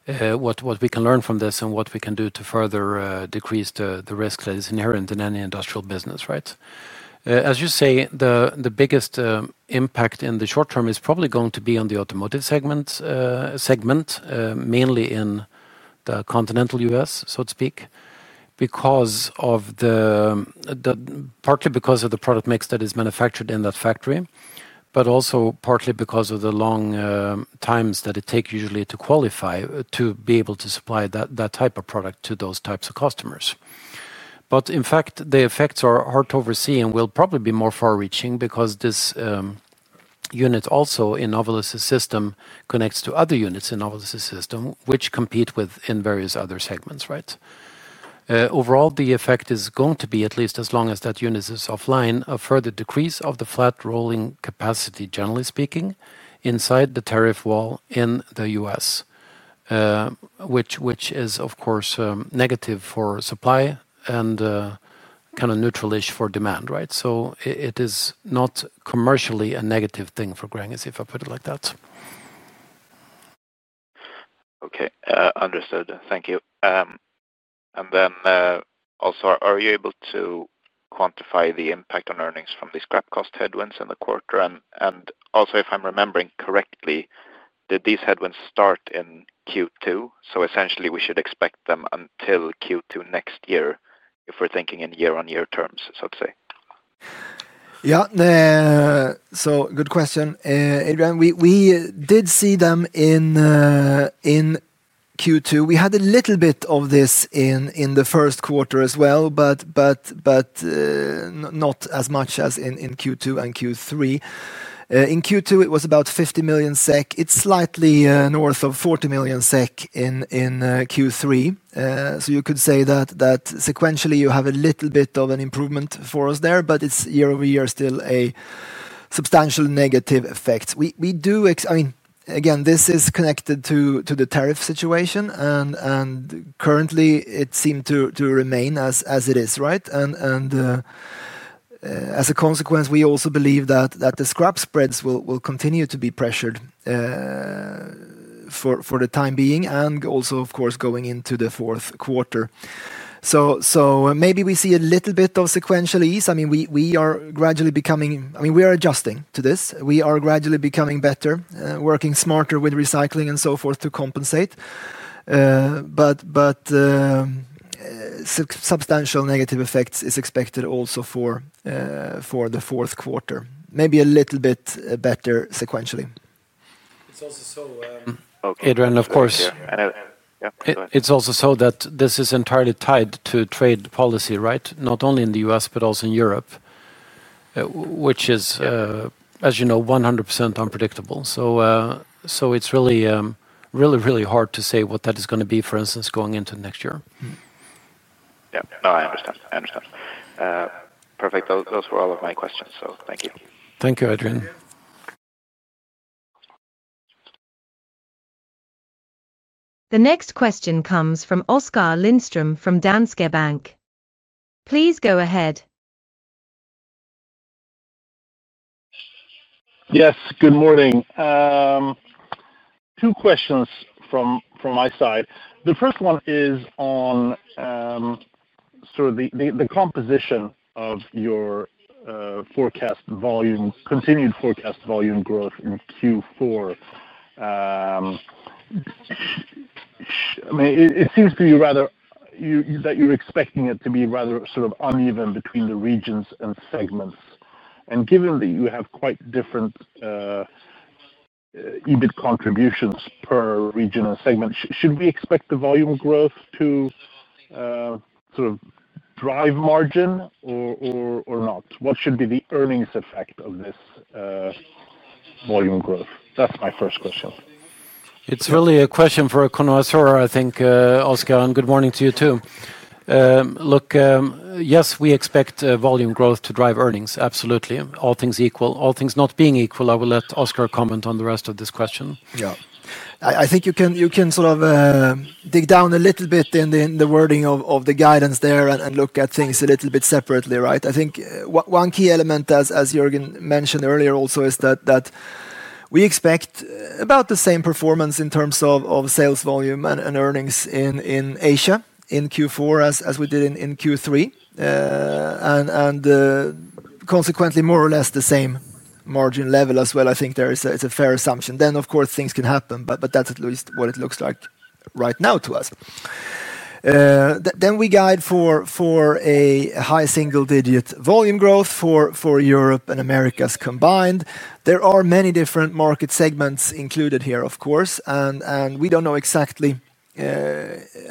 what we can learn from this and what we can do to further decrease the risk that is inherent in any industrial business, right? As you say, the biggest impact in the short term is probably going to be on the automotive segment, mainly in the continental U.S., so to speak, partly because of the product mix that is manufactured in that factory, but also partly because of the long times that it takes usually to qualify to be able to supply that type of product to those types of customers. In fact, the effects are hard to oversee and will probably be more far-reaching because this unit also in Novelis's system connects to other units in Novelis's system which compete within various other segments, right? Overall, the effect is going to be, at least as long as that unit is offline, a further decrease of the flat rolling capacity, generally speaking, inside the tariff wall in the U.S., which is, of course, negative for supply and kind of neutral-ish for demand, right? It is not commercially a negative thing for Gränges, if I put it like that. Okay, understood. Thank you. Are you able to quantify the impact on earnings from these aluminum scrap cost headwinds in the quarter? If I'm remembering correctly, did these headwinds start in Q2? Essentially, we should expect them until Q2 next year if we're thinking in year-on-year terms, so to say. Yeah, good question. Adrian, we did see them in Q2. We had a little bit of this in the first quarter as well, but not as much as in Q2 and Q3. In Q2, it was about 50 million SEK. It's slightly north of 40 million SEK in Q3. You could say that sequentially you have a little bit of an improvement for us there, but it's year-over-year still a substantial negative effect. This is connected to the tariff situation, and currently, it seemed to remain as it is, right? As a consequence, we also believe that the scrap spreads will continue to be pressured for the time being and also, of course, going into the fourth quarter. Maybe we see a little bit of sequential ease. We are gradually becoming, I mean, we are adjusting to this. We are gradually becoming better, working smarter with recycling and so forth to compensate. Substantial negative effects are expected also for the fourth quarter, maybe a little bit better sequentially. It's also so, Adrian, it's also so that this is entirely tied to trade policy, right? Not only in the U.S., but also in Europe, which is, as you know, 100% unpredictable. It's really, really, really hard to say what that is going to be, for instance, going into next year. I understand. Perfect. Those were all of my questions, so thank you. Thank you, Adrian. The next question comes from Oskar Lindström from Danske Bank. Please go ahead. Yes, good morning. Two questions from my side. The first one is on sort of the composition of your forecast volume, continued forecast volume growth in Q4. It seems to be rather that you're expecting it to be rather sort of uneven between the regions and segments. Given that you have quite different EBIT contributions per region and segment, should we expect the volume growth to sort of drive margin or not? What should be the earnings effect of this volume growth? That's my first question. It's really a question for a connoisseur, I think, Oskar, and good morning to you too. Look, yes, we expect volume growth to drive earnings, absolutely. All things equal. All things not being equal, I will let Oskar comment on the rest of this question. Yeah. I think you can sort of dig down a little bit in the wording of the guidance there and look at things a little bit separately, right? I think one key element, as Jörgen mentioned earlier also, is that we expect about the same performance in terms of sales volume and earnings in Asia in Q4 as we did in Q3. Consequently, more or less the same margin level as well, I think there is a fair assumption. Of course, things can happen, but that's at least what it looks like right now to us. We guide for a high single-digit volume growth for Europe and Americas combined. There are many different market segments included here, of course, and we don't know exactly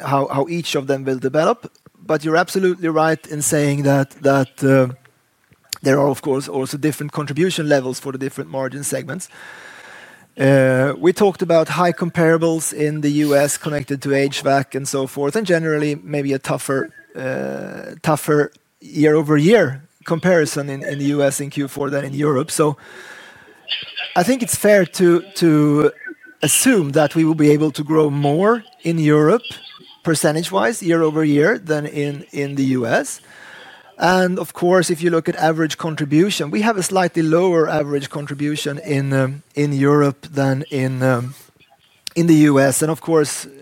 how each of them will develop. You're absolutely right in saying that there are, of course, also different contribution levels for the different margin segments. We talked about high comparables in the U.S. connected to HVAC and so forth, and generally maybe a tougher year-over-year comparison in the U.S. in Q4 than in Europe. I think it's fair to assume that we will be able to grow more in Europe percentage-wise, year-over-year, than in the U.S. If you look at average contribution, we have a slightly lower average contribution in Europe than in the U.S.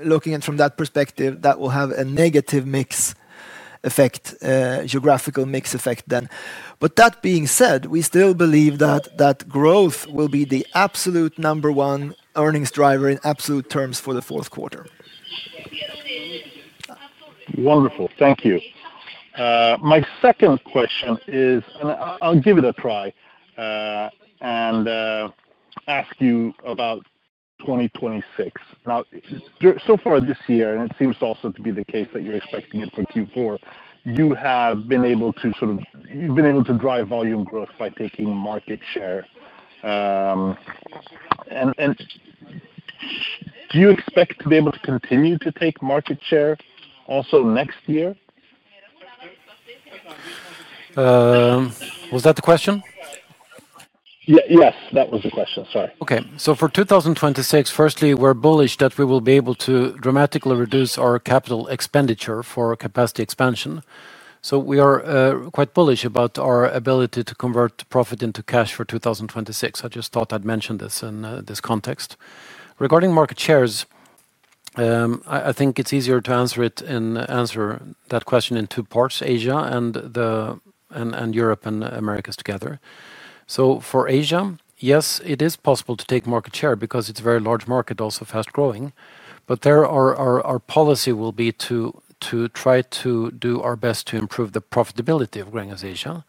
Looking at it from that perspective, that will have a negative mix effect, geographical mix effect then. That being said, we still believe that growth will be the absolute number one earnings driver in absolute terms for the fourth quarter. Wonderful. Thank you. My second question is, and I'll give it a try and ask you about 2026. Now, so far this year, it seems also to be the case that you're expecting it for Q4, you have been able to drive volume growth by taking market share. Do you expect to be able to continue to take market share also next year? Was that the question? Yes, that was the question. Sorry. Okay. For 2026, firstly, we're bullish that we will be able to dramatically reduce our capital expenditure for capacity expansion. We are quite bullish about our ability to convert profit into cash for 2026. I just thought I'd mention this in this context. Regarding market shares, I think it's easier to answer that question in two parts, Asia and Europe and Americas together. For Asia, yes, it is possible to take market share because it's a very large market, also fast growing. Our policy will be to try to do our best to improve the profitability of Gränges Asia.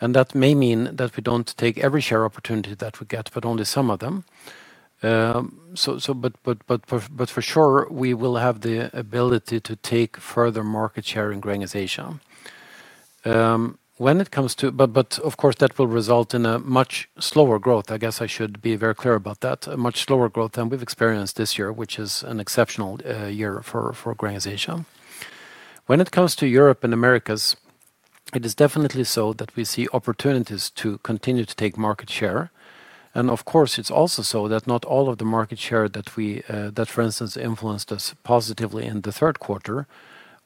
That may mean that we don't take every share opportunity that we get, but only some of them. For sure, we will have the ability to take further market share in Gränges Asia. Of course, that will result in a much slower growth. I guess I should be very clear about that. A much slower growth than we've experienced this year, which is an exceptional year for Gränges Asia. When it comes to Europe and Americas, it is definitely so that we see opportunities to continue to take market share. Of course, it's also so that not all of the market share that, for instance, influenced us positively in the third quarter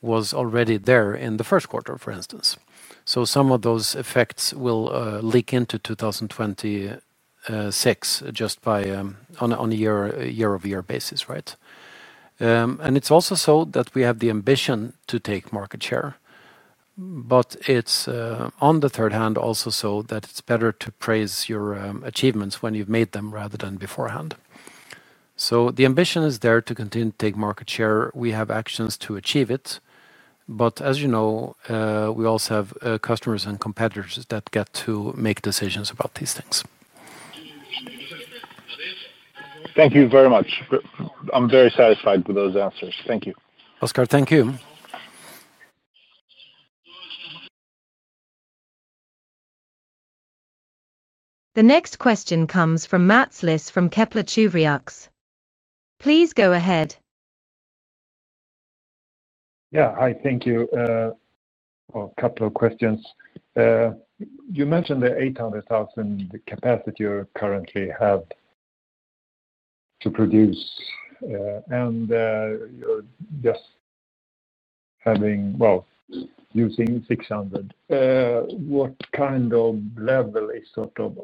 was already there in the first quarter, for instance. Some of those effects will leak into 2026 just by on a year-over-year basis, right? It's also so that we have the ambition to take market share. On the third hand, it's also so that it's better to praise your achievements when you've made them rather than beforehand. The ambition is there to continue to take market share. We have actions to achieve it. As you know, we also have customers and competitors that get to make decisions about these things. Thank you very much. I'm very satisfied with those answers. Thank you. Oskar, thank you. The next question comes from Mats Liss from Kepler Cheuvreux. Please go ahead. Yeah, hi, thank you. A couple of questions. You mentioned the 800,000 capacity you currently have to produce and you're just using 600. What kind of level is sort of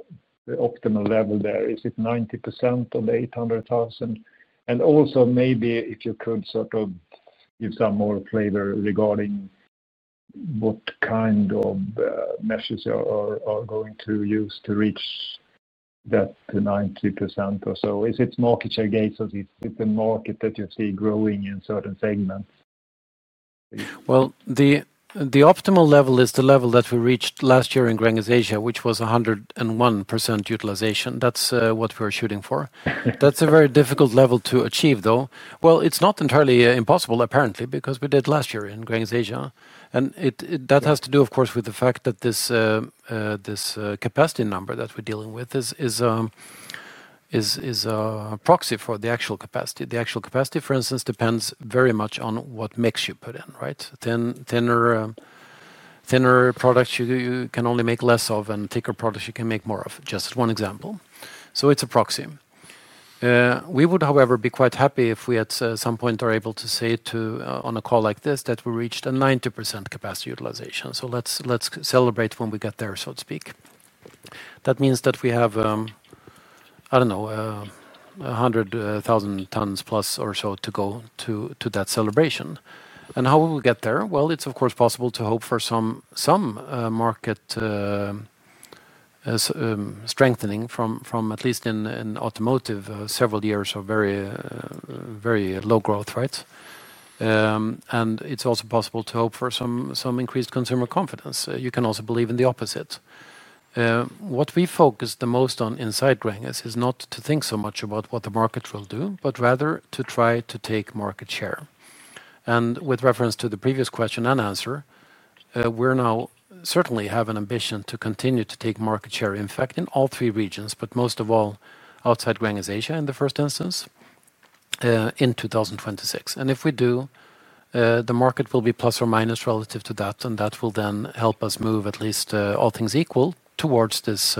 the optimal level there? Is it 90% of the 800,000? Also, maybe if you could sort of give some more flavor regarding what kind of measures you are going to use to reach that 90% or so. Is it market share gates or is it the market that you see growing in certain segments? The optimal level is the level that we reached last year in Gränges Asia, which was 101% utilization. That's what we're shooting for. That's a very difficult level to achieve, though. It's not entirely impossible, apparently, because we did last year in Gränges Asia. That has to do, of course, with the fact that this capacity number that we're dealing with is a proxy for the actual capacity. The actual capacity, for instance, depends very much on what mix you put in, right? Thinner products you can only make less of and thicker products you can make more of, just one example. It's a proxy. We would, however, be quite happy if we at some point are able to say on a call like this that we reached a 90% capacity utilization. Let's celebrate when we get there, so to speak. That means that we have, I don't know, 100,000 tons plus or so to go to that celebration. How will we get there? It's, of course, possible to hope for some market strengthening from at least in automotive, several years of very low growth, right? It's also possible to hope for some increased consumer confidence. You can also believe in the opposite. What we focus the most on inside Gränges is not to think so much about what the market will do, but rather to try to take market share. With reference to the previous question and answer, we now certainly have an ambition to continue to take market share, in fact, in all three regions, but most of all outside Gränges Asia in the first instance, in 2026. If we do, the market will be plus or minus relative to that, and that will then help us move at least all things equal towards this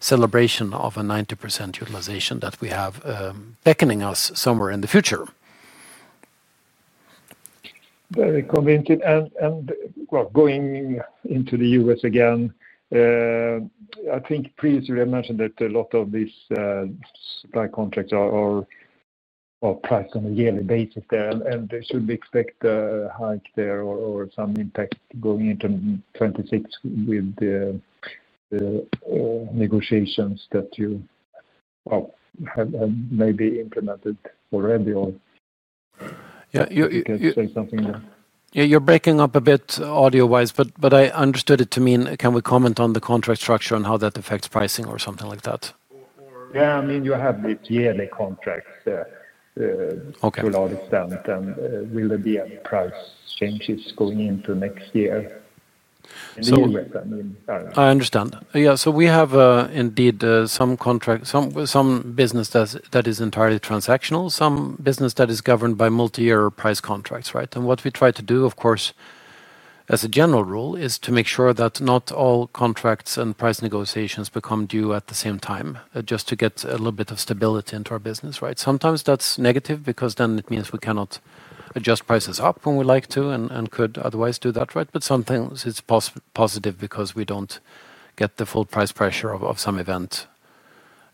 celebration of a 90% utilization that we have beckoning us somewhere in the future. Very committed. Going into the U.S. again, I think previously we mentioned that a lot of these supply contracts are priced on a yearly basis there, and they should expect a hike there or some impact going into 2026 with the negotiations that you have maybe implemented already. Can you say something there? Yeah, you're breaking up a bit audio-wise, but I understood it to mean, can we comment on the contract structure and how that affects pricing or something like that? Yeah, I mean, you have these yearly contracts to a large extent, and will there be any price changes going into next year? I understand. Yeah, so we have indeed some business that is entirely transactional, some business that is governed by multi-year price contracts, right? What we try to do, of course, as a general rule, is to make sure that not all contracts and price negotiations become due at the same time, just to get a little bit of stability into our business, right? Sometimes that's negative because it means we cannot adjust prices up when we like to and could otherwise do that, right? Sometimes it's positive because we don't get the full price pressure of some event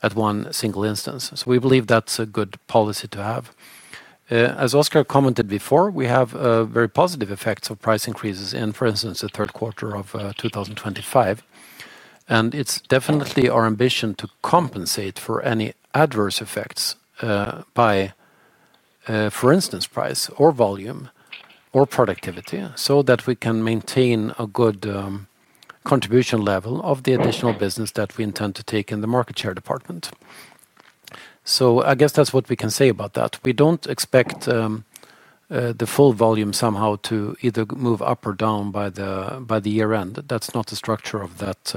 at one single instance. We believe that's a good policy to have. As Oskar commented before, we have very positive effects of price increases in, for instance, the third quarter of 2025. It's definitely our ambition to compensate for any adverse effects by, for instance, price or volume or productivity, so that we can maintain a good contribution level of the additional business that we intend to take in the market share department. I guess that's what we can say about that. We don't expect the full volume somehow to either move up or down by the year-end. That's not the structure of that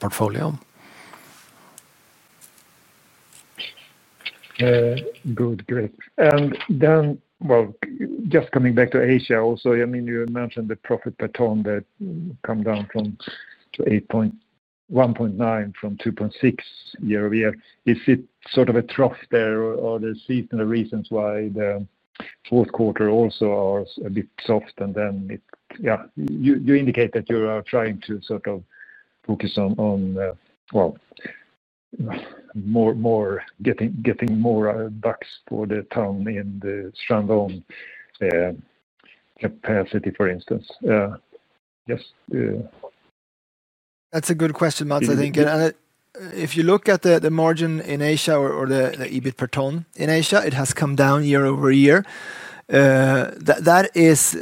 portfolio. Good, great. Just coming back to Asia also, I mean, you mentioned the profit per tonne that come down from 1.9 million from 2.6 year-over-year. Is it sort of a trough there or are there seasonal reasons why the fourth quarter also is a bit soft? You indicate that you are trying to sort of focus on getting more dollars for the tonne in the Shandong capacity, for instance. Yes? That's a good question, Mats, I think. If you look at the margin in Asia or the EBIT per tonne in Asia, it has come down year-over-year. There is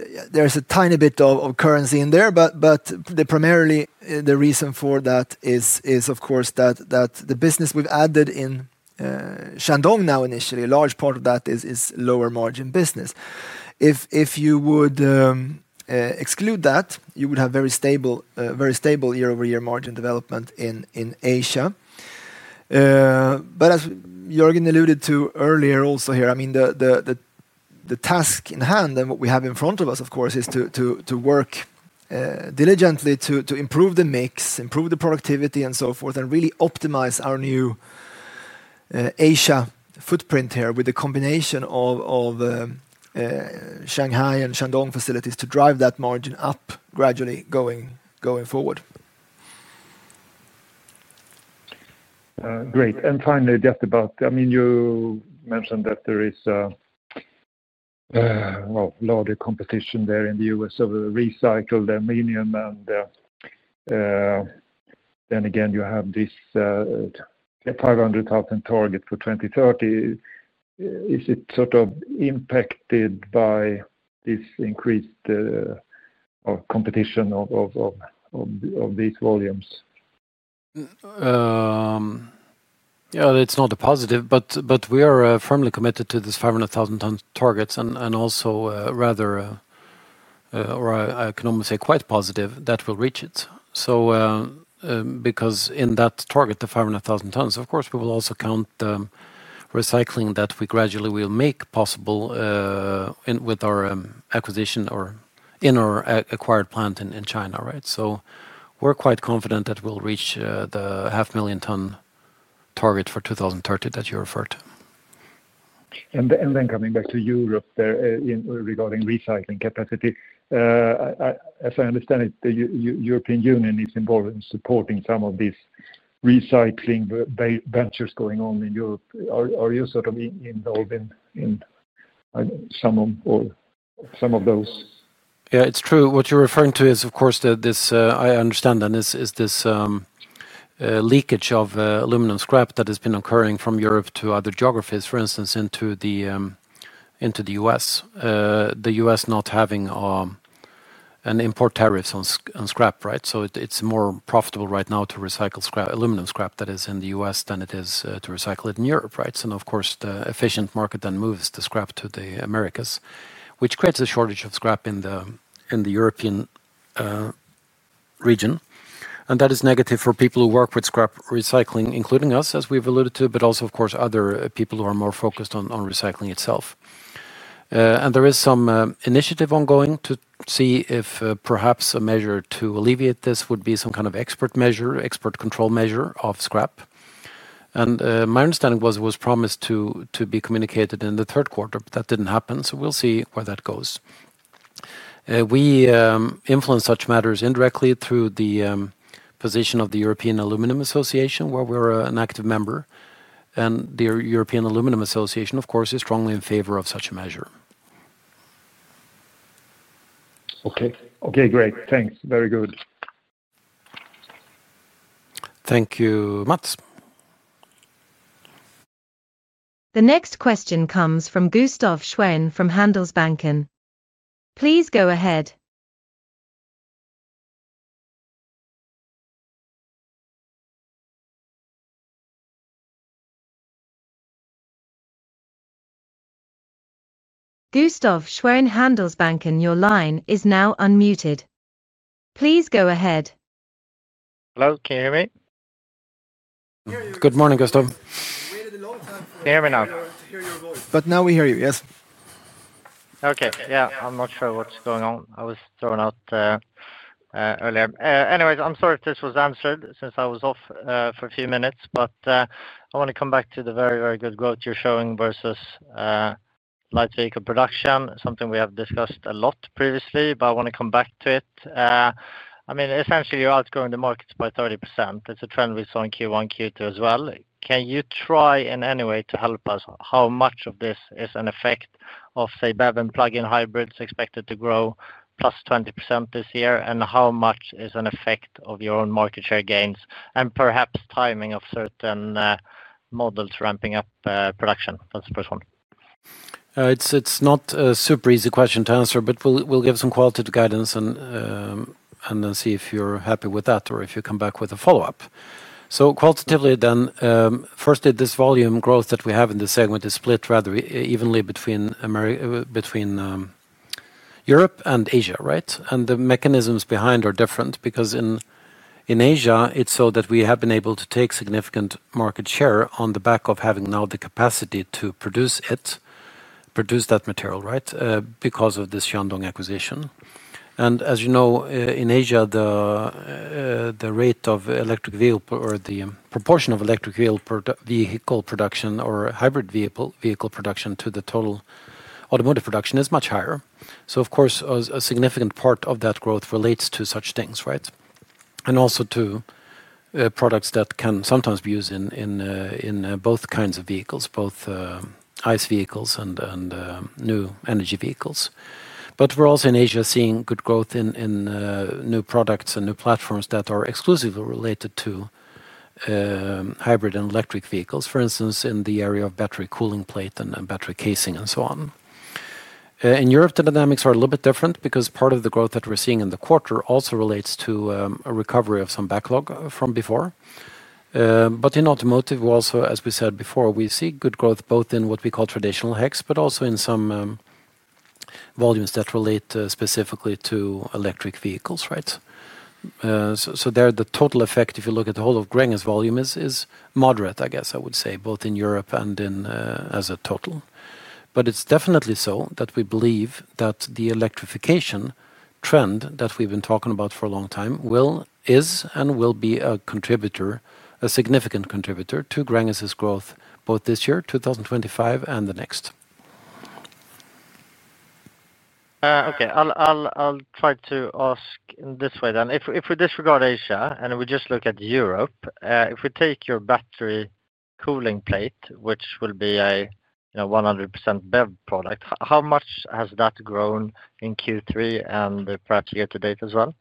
a tiny bit of currency in there, but primarily the reason for that is, of course, that the business we've added in Shandong now initially, a large part of that is lower margin business. If you would exclude that, you would have very stable year-over-year margin development in Asia. As Jörgen alluded to earlier also here, the task in hand and what we have in front of us, of course, is to work diligently to improve the mix, improve the productivity, and so forth, and really optimize our new Asia footprint here with the combination of Shanghai and Shandong facilities to drive that margin up gradually going forward. Great. Finally, just about, I mean, you mentioned that there is a lot of competition there in the U.S. over recycled aluminum. You have this 500,000 target for 2030. Is it sort of impacted by this increased competition of these volumes? Yeah, it's not a positive, but we are firmly committed to this 500,000 ton target and also, rather, I can only say quite positive, that we'll reach it. In that target, the 500,000 tons, of course, we will also count the recycling that we gradually will make possible with our acquisition or in our acquired plant in China, right? We're quite confident that we'll reach the half million ton target for 2030 that you referred to. Coming back to Europe regarding recycling capacity, as I understand it, the European Union is involved in supporting some of these recycling ventures going on in Europe. Are you sort of involved in some of those? Yeah, it's true. What you're referring to is, of course, this, I understand then, is this leakage of aluminum scrap that has been occurring from Europe to other geographies, for instance, into the U.S. The U.S. not having an import tariff on scrap, right? It's more profitable right now to recycle aluminum scrap that is in the U.S. than it is to recycle it in Europe, right? Of course, the efficient market then moves the scrap to the Americas, which creates a shortage of scrap in the European region. That is negative for people who work with scrap recycling, including us, as we've alluded to, but also, of course, other people who are more focused on recycling itself. There is some initiative ongoing to see if perhaps a measure to alleviate this would be some kind of export measure, export control measure of scrap. My understanding was it was promised to be communicated in the third quarter, but that didn't happen. We'll see where that goes. We influence such matters indirectly through the position of the European Aluminum Association, where we're an active member. The European Aluminum Association, of course, is strongly in favor of such a measure. Okay, great. Thanks. Very good. Thank you, Mats. The next question comes from Gustaf Schwerin from Handelsbanken. Please go ahead. Gustaf Schwerin, Handelsbanken, your line is now unmuted. Please go ahead. Hello, can you hear me? Good morning, Gustaf. Can you hear me now? We hear you, yes. Okay, yeah, I'm not sure what's going on. I was thrown out earlier. Anyways, I'm sorry if this was answered since I was off for a few minutes, but I want to come back to the very, very good growth you're showing versus light vehicle production, something we have discussed a lot previously. I want to come back to it. I mean, essentially, you're outgrowing the markets by 30%. That's a trend we saw in Q1, Q2 as well. Can you try in any way to help us how much of this is an effect of, say, BEV and plug-in hybrids expected to grow +20% this year, and how much is an effect of your own market share gains and perhaps timing of certain models ramping up production? That's the first one. It's not a super easy question to answer, but we'll give some qualitative guidance and then see if you're happy with that or if you come back with a follow-up. Qualitatively then, firstly, this volume growth that we have in this segment is split rather evenly between Europe and Asia, right? The mechanisms behind are different because in Asia, it's so that we have been able to take significant market share on the back of having now the capacity to produce it, produce that material, right, because of this Shandong acquisition. As you know, in Asia, the rate of electric vehicle or the proportion of electric vehicle production or hybrid vehicle production to the total automotive production is much higher. Of course, a significant part of that growth relates to such things, right? Also to products that can sometimes be used in both kinds of vehicles, both ICE vehicles and new energy vehicles. We're also in Asia seeing good growth in new products and new platforms that are exclusively related to hybrid and electric vehicles, for instance, in the area of battery cooling plate and battery casing and so on. In Europe, the dynamics are a little bit different because part of the growth that we're seeing in the quarter also relates to a recovery of some backlog from before. In automotive, also, as we said before, we see good growth both in what we call traditional HEX, but also in some volumes that relate specifically to electric vehicles, right? There, the total effect, if you look at the whole of Gränges volume, is moderate, I guess I would say, both in Europe and as a total. It's definitely so that we believe that the electrification trend that we've been talking about for a long time will, is, and will be a contributor, a significant contributor to Gränges's growth both this year, 2025, and the next. Okay, I'll try to ask in this way then. If we disregard Asia and we just look at Europe, if we take your battery cooling plate, which will be a 100% BEV product, how much has that grown in Q3 and perhaps year to date as well?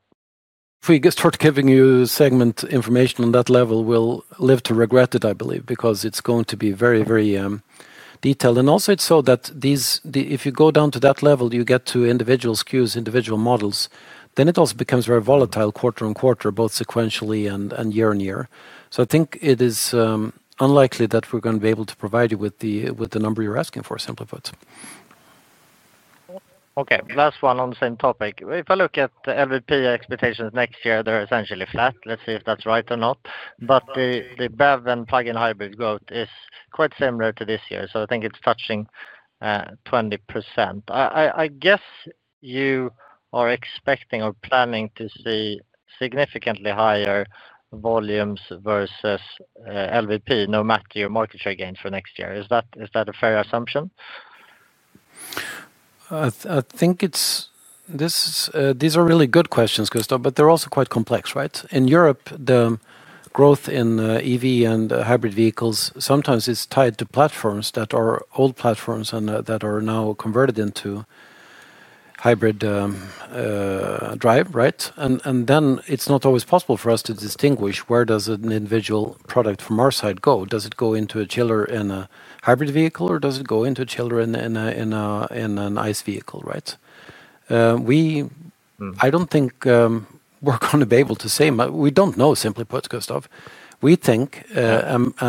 If we get started giving you segment information on that level, we'll live to regret it, I believe, because it's going to be very, very detailed. Also, it's so that if you go down to that level, you get to individual SKUs, individual models, then it also becomes very volatile quarter on quarter, both sequentially and year on year. I think it is unlikely that we're going to be able to provide you with the number you're asking for, simply put. Okay, last one on the same topic. If I look at the LVP expectations next year, they're essentially flat. Let's see if that's right or not. The BEV and plug-in hybrid growth is quite similar to this year. I think it's touching 20%. I guess you are expecting or planning to see significantly higher volumes versus LVP, no matter your market share gains for next year. Is that a fair assumption? I think these are really good questions, Gustaf, but they're also quite complex, right? In Europe, the growth in EV and hybrid vehicles sometimes is tied to platforms that are old platforms that are now converted into hybrid drive, right? It's not always possible for us to distinguish where does an individual product from our side go. Does it go into a chiller in a hybrid vehicle or does it go into a chiller in an ICE vehicle, right? I don't think we're going to be able to say. We don't know, simply put, Gustaf. We think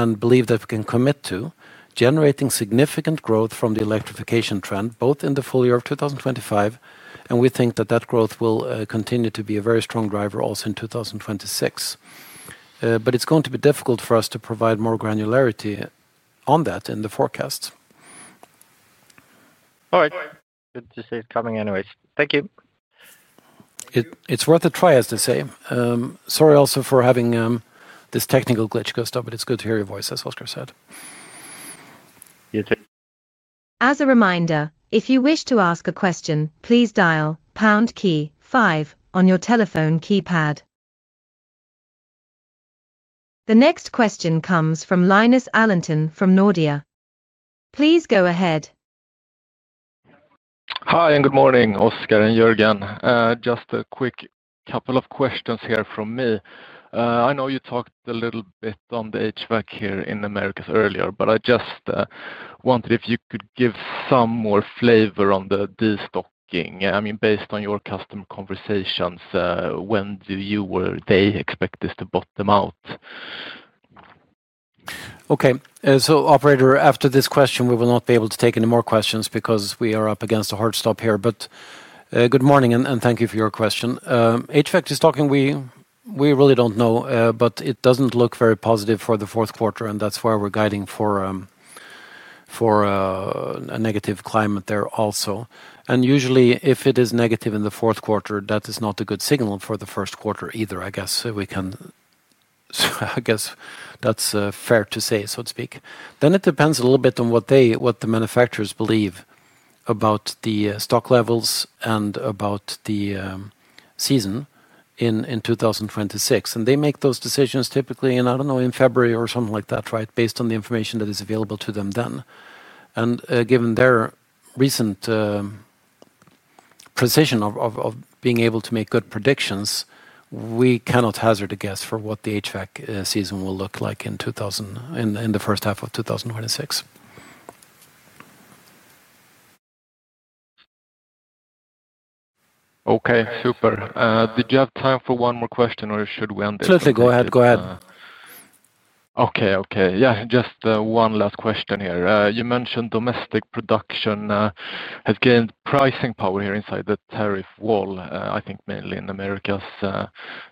and believe that we can commit to generating significant growth from the electrification trend, both in the full year of 2025, and we think that growth will continue to be a very strong driver also in 2026. It's going to be difficult for us to provide more granularity on that in the forecasts. All right. Good to see it coming, anyways. Thank you. It's worth a try, as they say. Sorry also for having this technical glitch, Gustaf, but it's good to hear your voice, as Oskar said. You too. As a reminder, if you wish to ask a question, please dial pound key five on your telephone keypad. The next question comes from Linus Alentun from Nordea. Please go ahead. Hi, and good morning, Oskar and Jörgen. Just a quick couple of questions here from me. I know you talked a little bit on the HVAC here in the Americas earlier, but I just wondered if you could give some more flavor on the stocking. I mean, based on your customer conversations, when do you or they expect us to bottom out? Okay, operator, after this question, we will not be able to take any more questions because we are up against a hard stop here. Good morning, and thank you for your question. HVAC is talking. We really don't know, but it doesn't look very positive for the fourth quarter, and that's why we're guiding for a negative climate there also. Usually, if it is negative in the fourth quarter, that is not a good signal for the first quarter either, I guess. We can, I guess, that's fair to say, so to speak. It depends a little bit on what the manufacturers believe about the stock levels and about the season in 2026. They make those decisions typically in, I don't know, in February or something like that, right, based on the information that is available to them then. Given their recent precision of being able to make good predictions, we cannot hazard a guess for what the HVAC season will look like in the first half of 2026. Okay. Super. Did you have time for one more question, or should we end it? Absolutely. Go ahead. Go ahead. Okay. Yeah. Just one last question here. You mentioned domestic production has gained pricing power here inside the tariff wall, I think mainly in the Americas.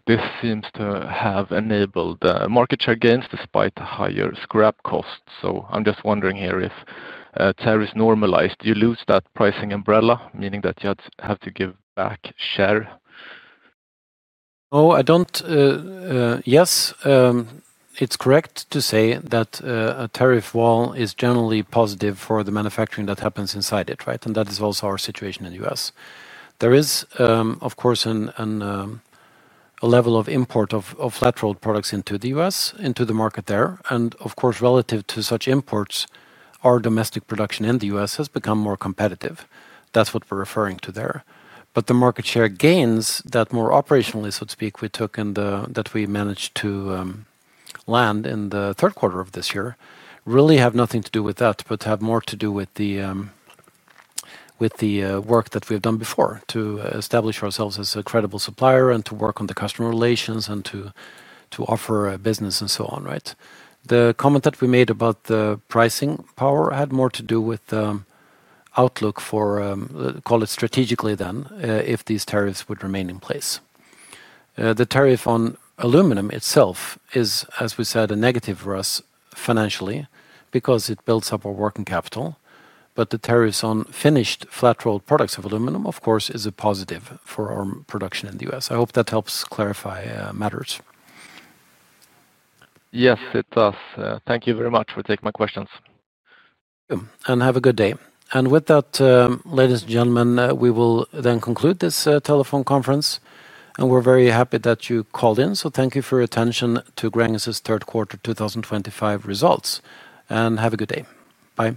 This seems to have enabled market share gains despite higher scrap costs. I'm just wondering here if tariffs normalized, you lose that pricing umbrella, meaning that you have to give back share? Yes, it's correct to say that a tariff wall is generally positive for the manufacturing that happens inside it, right? That is also our situation in the U.S. There is, of course, a level of import of flat-rolled products into the U.S., into the market there. Of course, relative to such imports, our domestic production in the U.S. has become more competitive. That's what we're referring to there. The market share gains that, more operationally, so to speak, we took in, that we managed to land in the third quarter of this year really have nothing to do with that but have more to do with the work that we have done before to establish ourselves as a credible supplier and to work on the customer relations and to offer business and so on, right? The comment that we made about the pricing power had more to do with the outlook for, call it strategically then, if these tariffs would remain in place. The tariff on aluminum itself is, as we said, a negative for us financially because it builds up our working capital. The tariffs on finished flat-rolled products of aluminum, of course, is a positive for our production in the U.S. I hope that helps clarify matters. Yes, it does. Thank you very much. I'll take my questions. Have a good day. With that, ladies and gentlemen, we will then conclude this telephone conference. We're very happy that you called in. Thank you for your attention to Gränges' third quarter 2025 results. Have a good day. Bye.